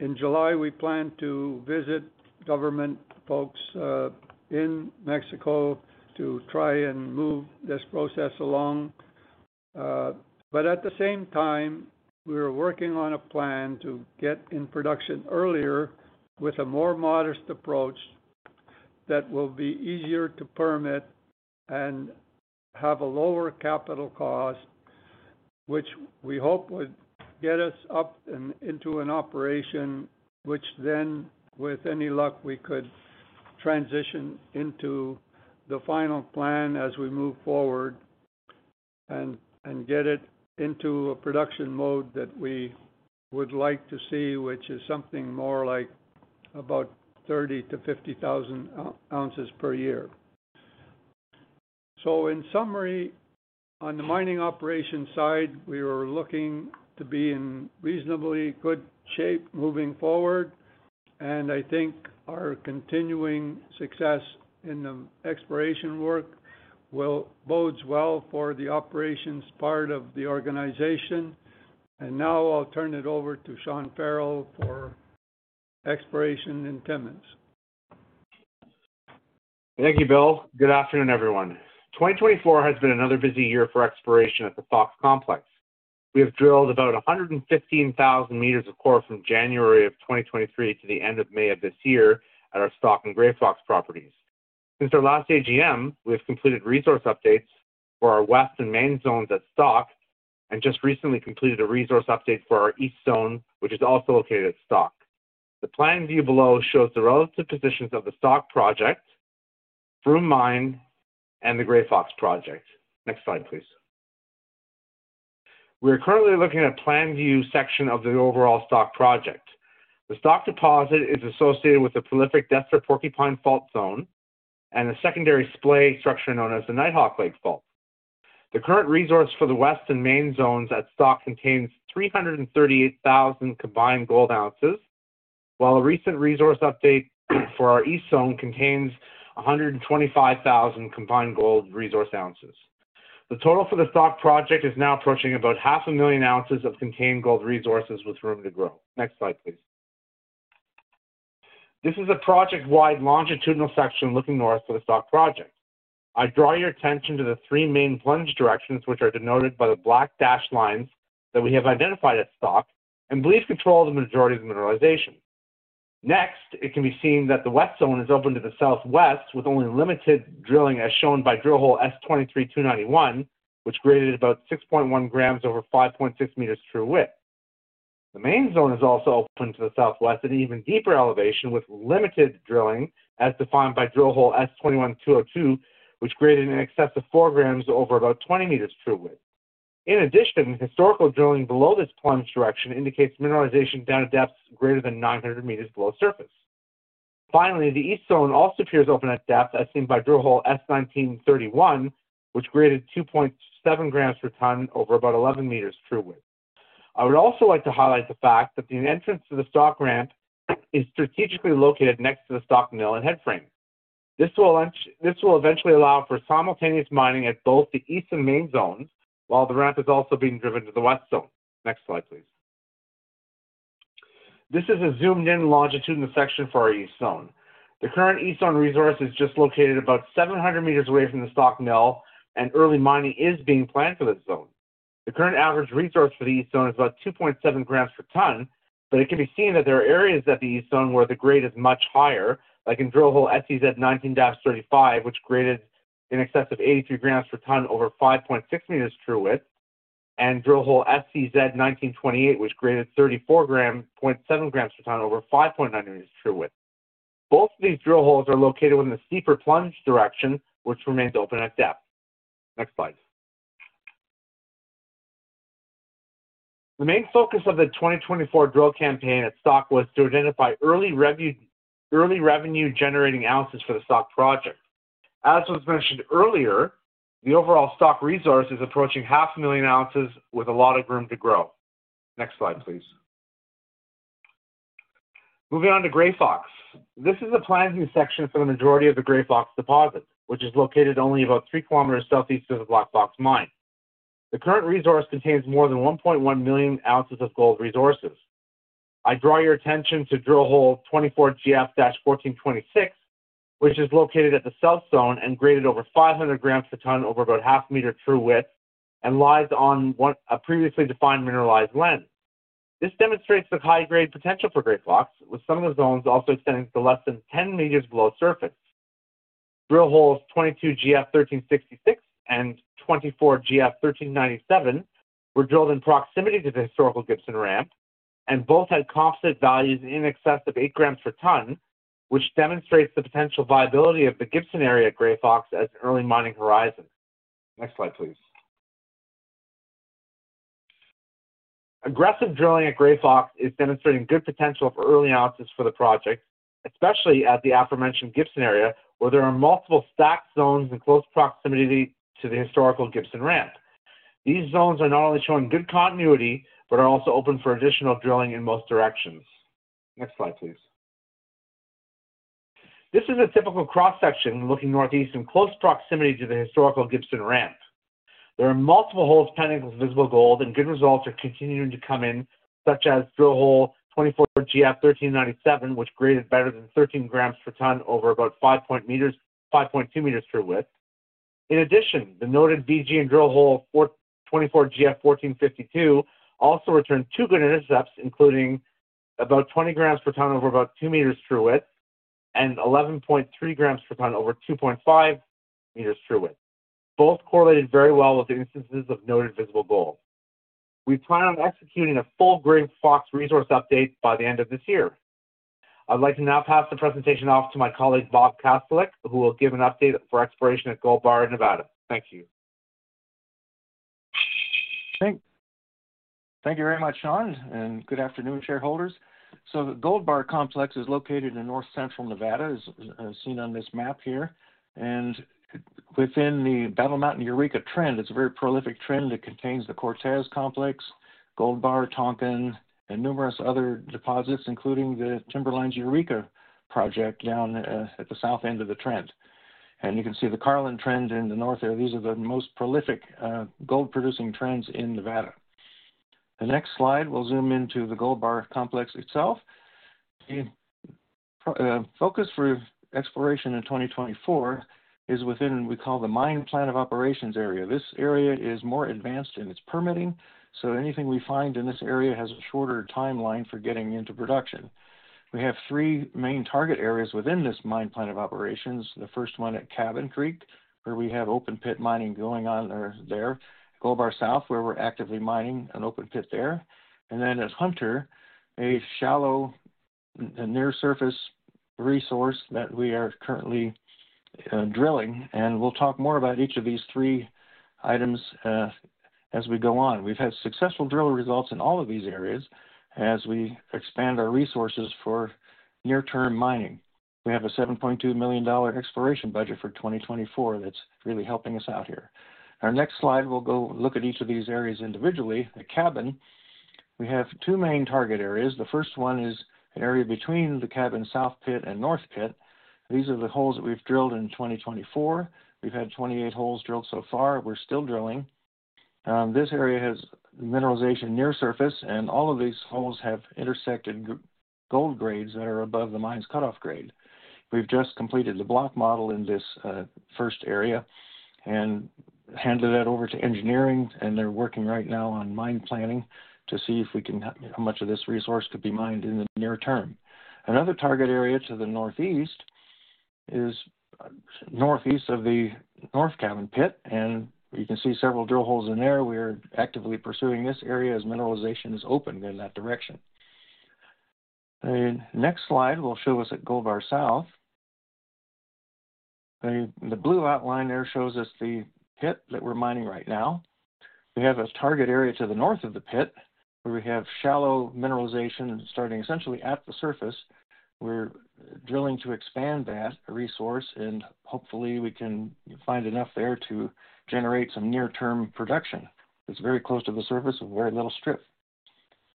In July, we plan to visit government folks in Mexico to try and move this process along. But at the same time, we are working on a plan to get in production earlier with a more modest approach that will be easier to permit and have a lower capital cost, which we hope would get us up and into an operation, which then, with any luck, we could transition into the final plan as we move forward, and get it into a production mode that we would like to see, which is something more like about 30,000-50,000 oz per year. So in summary, on the mining operation side, we are looking to be in reasonably good shape moving forward, and I think our continuing success in the exploration work will bodes well for the operations part of the organization. Now I'll turn it over to Sean Farrell for exploration in Timmins. Thank you, Bill. Good afternoon, everyone. 2024 has been another busy year for exploration at the Fox Complex. We have drilled about 115,000 m of core from January of 2023 to the end of May of this year at our Stock and Grey Fox properties. Since our last AGM, we have completed resource updates for our West and Main zones at Stock, and just recently completed a resource update for our East Zone, which is also located at Stock. The plan view below shows the relative positions of the Stock Project, Froome Mine, and the Grey Fox Project. Next slide, please. We are currently looking at a plan view section of the overall Stock Project. The Stock deposit is associated with the prolific Destor-Porcupine Fault Zone and a secondary splay structure known as the Nighthawk Lake fault. The current resource for the West and Main zones at Stock contains 338,000 combined gold oz, while a recent resource update for our East Zone contains 125,000 combined gold resource oz. The total for the Stock Project is now approaching about 500,000 oz of contained gold resources, with room to grow. Next slide, please. This is a project-wide longitudinal section looking north for the Stock Project. I draw your attention to the three main plunge directions, which are denoted by the black dashed lines, that we have identified at Stock and believe control the majority of the mineralization. Next, it can be seen that the West Zone is open to the southwest, with only limited drilling, as shown by drill hole S23-291, which graded about 6.1 g over 5.6 m true width. The Main Zone is also open to the southwest at an even deeper elevation, with limited drilling, as defined by drill hole S21-202, which graded in excess of 4 g over about 20 m true width. In addition, historical drilling below this plunge direction indicates mineralization down to depths greater than 900 m below surface. Finally, the East Zone also appears open at depth, as seen by drill hole S19-31, which graded 2.7 g per tonne over about 11 m true width. I would also like to highlight the fact that the entrance to the Stock ramp is strategically located next to the Stock Mill and headframe. This will eventually allow for simultaneous mining at both the East and Main zones, while the ramp is also being driven to the West Zone. Next slide, please. This is a zoomed-in longitudinal section for our East Zone. The current East Zone resource is just located about 700 m away from the Stock Mill, and early mining is being planned for this zone. The current average resource for the East Zone is about 2.7 g per tonne, but it can be seen that there are areas at the East Zone where the grade is much higher, like in drill hole SEZ19-35, which graded in excess of 83 g per tonne over 5.6 m true width, and drill hole SEZ19-28, which graded 34.7 g per tonne over 5.9 m true width. Both of these drill holes are located within the steeper plunge direction, which remains open at depth. Next slide. The main focus of the 2024 drill campaign at Stock was to identify early revenue-generating ounces for the Stock Project. As was mentioned earlier, the overall Stock resource is approaching 500,000 oz with a lot of room to grow. Next slide, please. Moving on to Grey Fox. This is a plan view section for the majority of the Grey Fox deposits, which is located only about 3 km southeast of the Black Fox mine. The current resource contains more than 1.1 million oz of gold resources. I draw your attention to drill hole 24GF-1426, which is located at the South Zone and graded over 500 g per tonne over about 0.5 m true width and lies on a previously defined mineralized lens.... This demonstrates the high-grade potential for Grey Fox, with some of the zones also extending to less than 10 m below surface. Drill holes 22GF1366 and 24GF1397 were drilled in proximity to the historical Gibson ramp, and both had composite values in excess of 8 g per ton, which demonstrates the potential viability of the Gibson area at Grey Fox as an early mining horizon. Next slide, please. Aggressive drilling at Grey Fox is demonstrating good potential for early ounces for the project, especially at the aforementioned Gibson area, where there are multiple stacked zones in close proximity to the historical Gibson ramp. These zones are not only showing good continuity, but are also open for additional drilling in most directions. Next slide, please. This is a typical cross-section looking northeast in close proximity to the historical Gibson ramp. There are multiple holes pending with visible gold, and good results are continuing to come in, such as drill hole 24 GF1397, which graded better than 13 g per ton over about 5.2 m true width. In addition, the noted VG and drill hole 24 GF1452 also returned two good intercepts, including about 20 g per ton over about 2 m true width, and 11.3 g per ton over 2.5 m true width. Both correlated very well with the instances of noted visible gold. We plan on executing a full Grey Fox resource update by the end of this year. I'd like to now pass the presentation off to my colleague, Robert Kastelic, who will give an update for exploration at Gold Bar in Nevada. Thank you. Thank you very much, Sean, and good afternoon, shareholders. So the Gold Bar complex is located in North Central Nevada, as seen on this map here, and within the Battle Mountain-Eureka trend. It's a very prolific trend that contains the Cortez complex, Gold Bar, Tonopah, and numerous other deposits, including the Timberline's Eureka Project down at the south end of the trend. And you can see the Carlin trend in the north there. These are the most prolific gold-producing trends in Nevada. The next slide will zoom into the Gold Bar complex itself. The focus for exploration in 2024 is within what we call the mine plan of operations area. This area is more advanced in its permitting, so anything we find in this area has a shorter timeline for getting into production. We have three main target areas within this mine plan of operations. The first one at Cabin Creek, where we have open pit mining going on or there, Gold Bar South, where we're actively mining an open pit there, and then at Hunter, a shallow, near surface resource that we are currently drilling. And we'll talk more about each of these three items as we go on. We've had successful drill results in all of these areas as we expand our resources for near-term mining. We have a $7.2 million exploration budget for 2024 that's really helping us out here. Our next slide will go look at each of these areas individually. The Cabin, we have two main target areas. The first one is an area between the Cabin South pit and North pit. These are the holes that we've drilled in 2024. We've had 28 holes drilled so far. We're still drilling. This area has mineralization near surface, and all of these holes have intersected gold grades that are above the mine's cutoff grade. We've just completed the block model in this first area and handed that over to engineering, and they're working right now on mine planning to see if we can, how much of this resource could be mined in the near term. Another target area to the northeast is northeast of the North Cabin pit, and you can see several drill holes in there. We are actively pursuing this area as mineralization is open in that direction. The next slide will show us at Gold Bar South. The blue outline there shows us the pit that we're mining right now. We have a target area to the north of the pit, where we have shallow mineralization starting essentially at the surface. We're drilling to expand that resource, and hopefully, we can find enough there to generate some near-term production. It's very close to the surface with very little strip.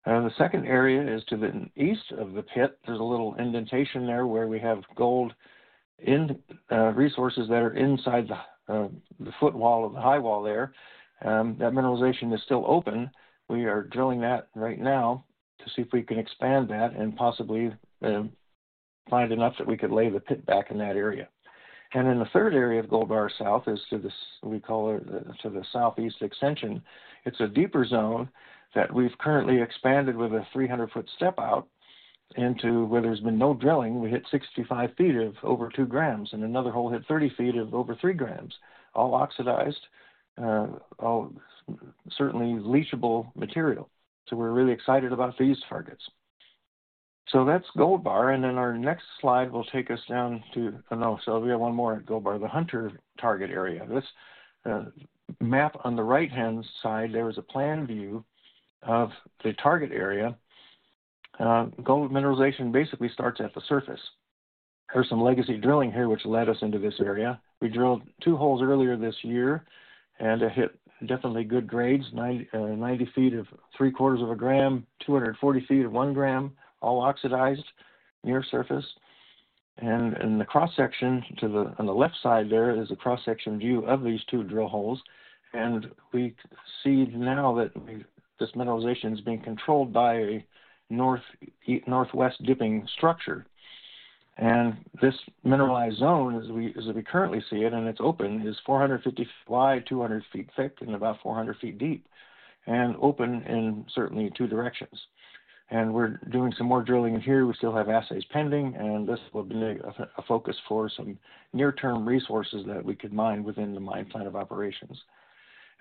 The second area is to the east of the pit. There's a little indentation there where we have gold in resources that are inside the the footwall of the high wall there. That mineralization is still open. We are drilling that right now to see if we can expand that and possibly find enough that we could lay the pit back in that area. And then the third area of Gold Bar South is to the southeast extension. It's a deeper zone that we've currently expanded with a 300-foot step out into where there's been no drilling. We hit 65 ft of over 2 g, and another hole hit 30 ft of over 3 g, all oxidized, all certainly leachable material. So we're really excited about these targets. So that's Gold Bar, and then our next slide will take us down to... No, so we have one more at Gold Bar, the Hunter target area. This map on the right-hand side there is a plan view of the target area. Gold mineralization basically starts at the surface. There's some legacy drilling here which led us into this area. We drilled two holes earlier this year, and it hit definitely good grades, 90 ft of three-quarters of a gram, 240 ft of 1 g, all oxidized near surface. And in the cross-section to the, on the left side there, is a cross-section view of these two drill holes. We see now that this mineralization is being controlled by a north, northwest dipping structure.... And this mineralized zone, as we currently see it, and it's open, is 450 wide, 200 ft thick, and about 400 ft deep, and open in certainly two directions. We're doing some more drilling in here. We still have assays pending, and this will be a focus for some near-term resources that we could mine within the mine plan of operations.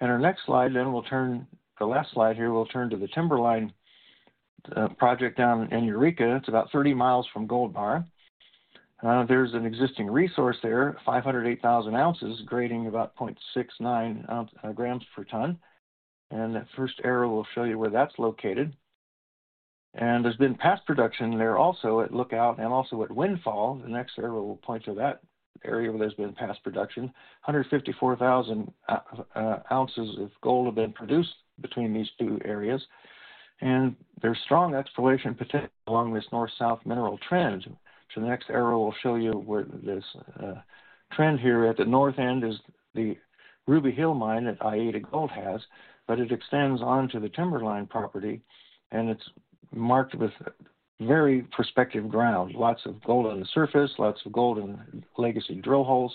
Our next slide, then we'll turn... The last slide here, we'll turn to the Timberline project down in Eureka. It's about 30 mi from Gold Bar. There's an existing resource there, 508,000 oz, grading about 0.69 g per ton. The first arrow will show you where that's located. There's been past production there, also at Lookout and also at Windfall. The next arrow will point to that area where there's been past production. 154,000 oz of gold have been produced between these two areas, and there's strong exploration potential along this north-south mineral trend. So the next arrow will show you where this trend here at the north end is the Ruby Hill Mine that i-80 Gold has. But it extends onto the Timberline property, and it's marked with very prospective ground. Lots of gold on the surface, lots of gold in legacy drill holes,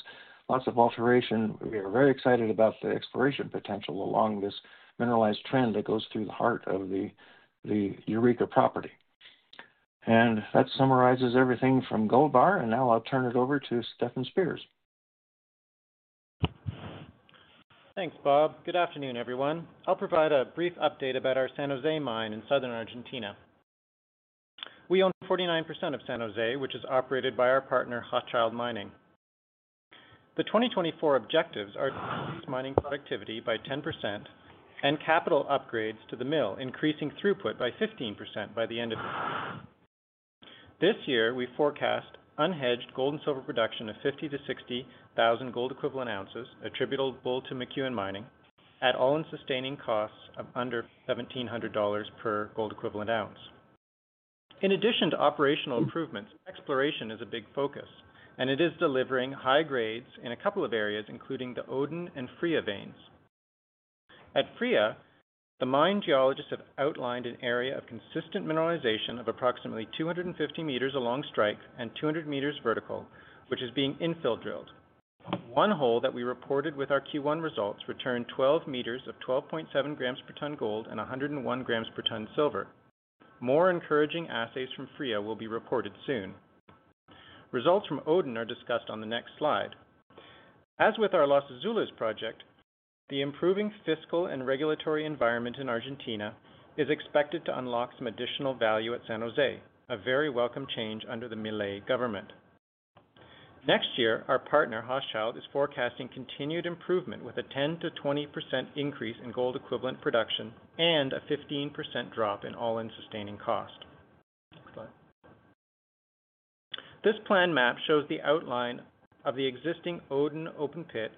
lots of alteration. We are very excited about the exploration potential along this mineralized trend that goes through the heart of the Eureka property. And that summarizes everything from Gold Bar, and now I'll turn it over to Stefan Spears. Thanks, Bob. Good afternoon, everyone. I'll provide a brief update about our San José mine in southern Argentina. We own 49% of San José, which is operated by our partner, Hochschild Mining. The 2024 objectives are to increase mining productivity by 10% and capital upgrades to the mill, increasing throughput by 15% by the end of the year. This year, we forecast unhedged gold and silver production of 50,000-60,000 gold equivalent oz, attributable to McEwen Mining, at all-in sustaining costs of under $1,700 per gold equivalent oz. In addition to operational improvements, exploration is a big focus, and it is delivering high grades in a couple of areas, including the Odin and Fria veins. At Fria, the mine geologists have outlined an area of consistent mineralization of approximately 250 m along strike and 200 m vertical, which is being infill drilled. One hole that we reported with our Q1 results returned 12 m of 12.7 g per ton gold and 101 g per ton silver. More encouraging assays from Fria will be reported soon. Results from Odin are discussed on the next slide. As with our Los Azules project, the improving fiscal and regulatory environment in Argentina is expected to unlock some additional value at San José, a very welcome change under the Milei government. Next year, our partner, Hochschild, is forecasting continued improvement with a 10%-20% increase in gold equivalent production and a 15% drop in all-in sustaining cost. Next slide. This plan map shows the outline of the existing Odin open pit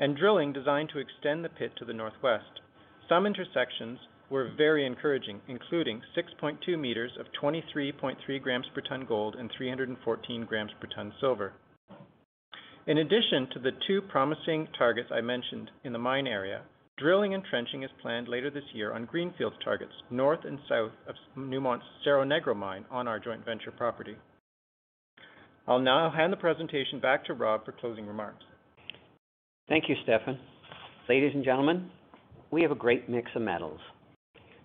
and drilling designed to extend the pit to the northwest. Some intersections were very encouraging, including 6.2 m of 23.3 g per ton gold and 314 g per ton silver. In addition to the two promising targets I mentioned in the mine area, drilling and trenching is planned later this year on greenfield targets north and south of Newmont's Cerro Negro mine on our joint venture property. I'll now hand the presentation back to Rob for closing remarks. Thank you, Stefan. Ladies and gentlemen, we have a great mix of metals,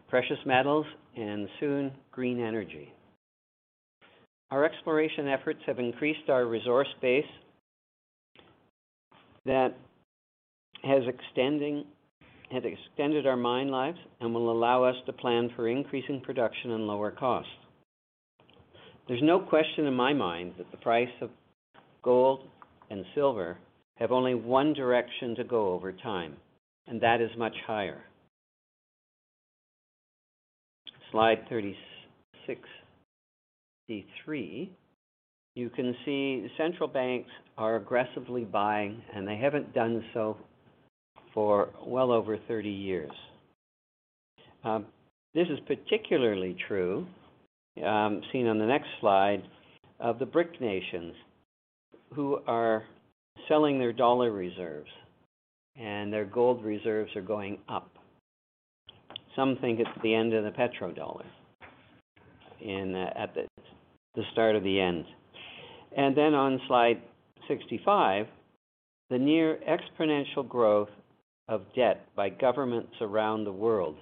precious metals and soon, green energy. Our exploration efforts have increased our resource base that has extended our mine lives and will allow us to plan for increasing production and lower costs. There's no question in my mind that the price of gold and silver have only one direction to go over time, and that is much higher. Slide 36-3, you can see the central banks are aggressively buying, and they haven't done so for well over 30 years. This is particularly true, seen on the next slide, of the BRICS nations, who are selling their dollar reserves and their gold reserves are going up. Some think it's the end of the petrodollar, at the start of the end. Then on slide 65, the near exponential growth of debt by governments around the world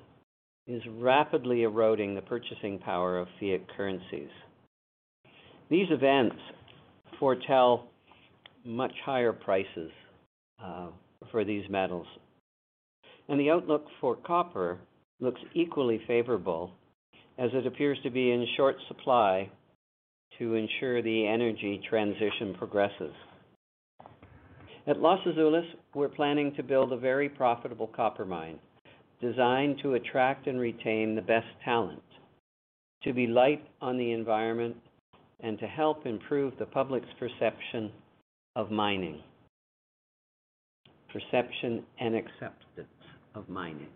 is rapidly eroding the purchasing power of fiat currencies. These events foretell much higher prices for these metals, and the outlook for copper looks equally favorable as it appears to be in short supply to ensure the energy transition progresses. At Los Azules, we're planning to build a very profitable copper mine, designed to attract and retain the best talent, to be light on the environment, and to help improve the public's perception of mining. Perception and acceptance of mining.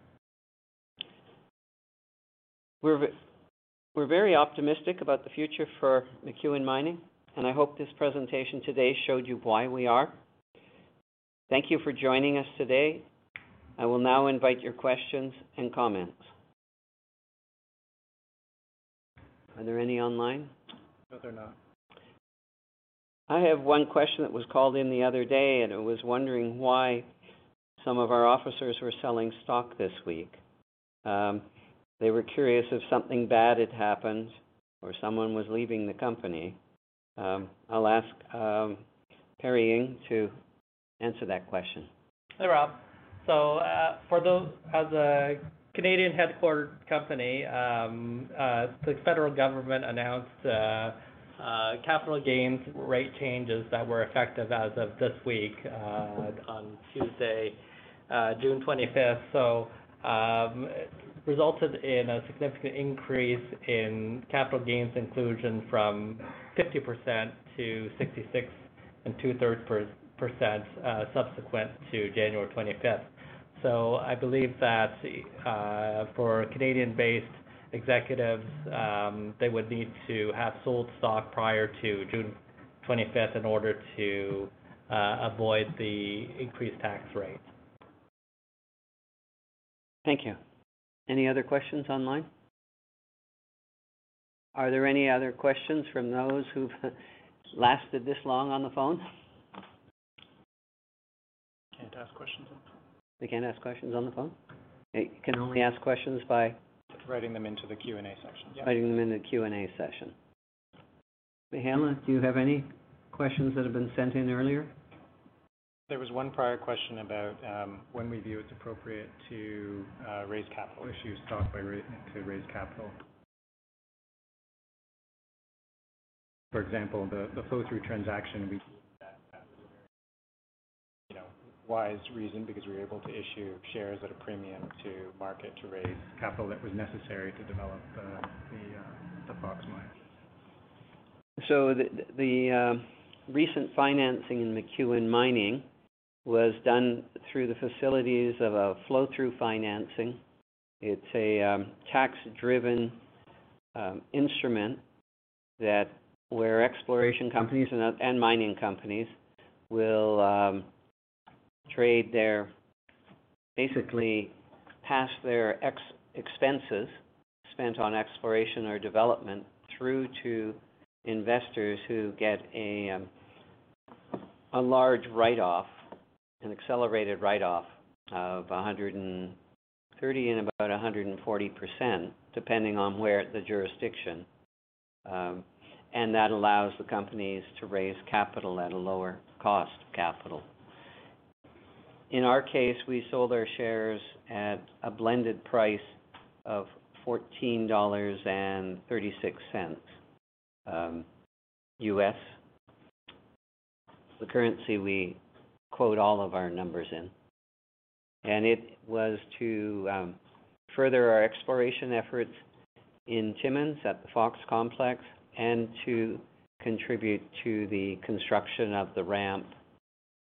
We're very optimistic about the future for McEwen Mining, and I hope this presentation today showed you why we are. Thank you for joining us today. I will now invite your questions and comments.... Are there any online? No, there are not. I have one question that was called in the other day, and it was wondering why some of our officers were selling stock this week. They were curious if something bad had happened or someone was leaving the company. I'll ask Perry Ing to answer that question. Hey, Rob. So, for those, as a Canadian headquartered company, the federal government announced capital gains rate changes that were effective as of this week, on Tuesday, June 25th. So, it resulted in a significant increase in capital gains inclusion from 50% to 66 2/3% subsequent to January 25th. So I believe that, for Canadian-based executives, they would need to have sold stock prior to June 25th in order to avoid the increased tax rate. Thank you. Any other questions online? Are there any other questions from those who've lasted this long on the phone? Can't ask questions on the phone. They can't ask questions on the phone? They can only ask questions by- Writing them into the Q&A section, yes. Writing them in the Q&A section. Kamil, do you have any questions that have been sent in earlier? There was one prior question about when we view it's appropriate to raise capital, issue stock to raise capital. For example, the flow-through transaction, we, you know, wise reason, because we were able to issue shares at a premium to market to raise capital that was necessary to develop the Fox Mine. So the recent financing in McEwen Mining was done through the facilities of a flow-through financing. It's a tax-driven instrument that where exploration companies and mining companies will trade their basically pass their expenses spent on exploration or development through to investors who get a large write-off, an accelerated write-off of 130% and about 140%, depending on where the jurisdiction. That allows the companies to raise capital at a lower cost of capital. In our case, we sold our shares at a blended price of $14.36, the currency we quote all of our numbers in. It was to further our exploration efforts in Timmins at the Fox Complex, and to contribute to the construction of the ramp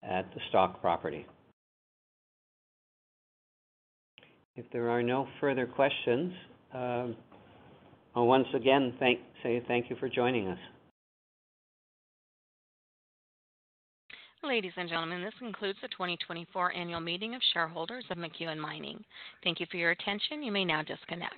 at the Stock property. If there are no further questions, I'll once again thank, say thank you for joining us. Ladies and gentlemen, this concludes the 2024 Annual Meeting of Shareholders of McEwen Mining. Thank you for your attention. You may now disconnect.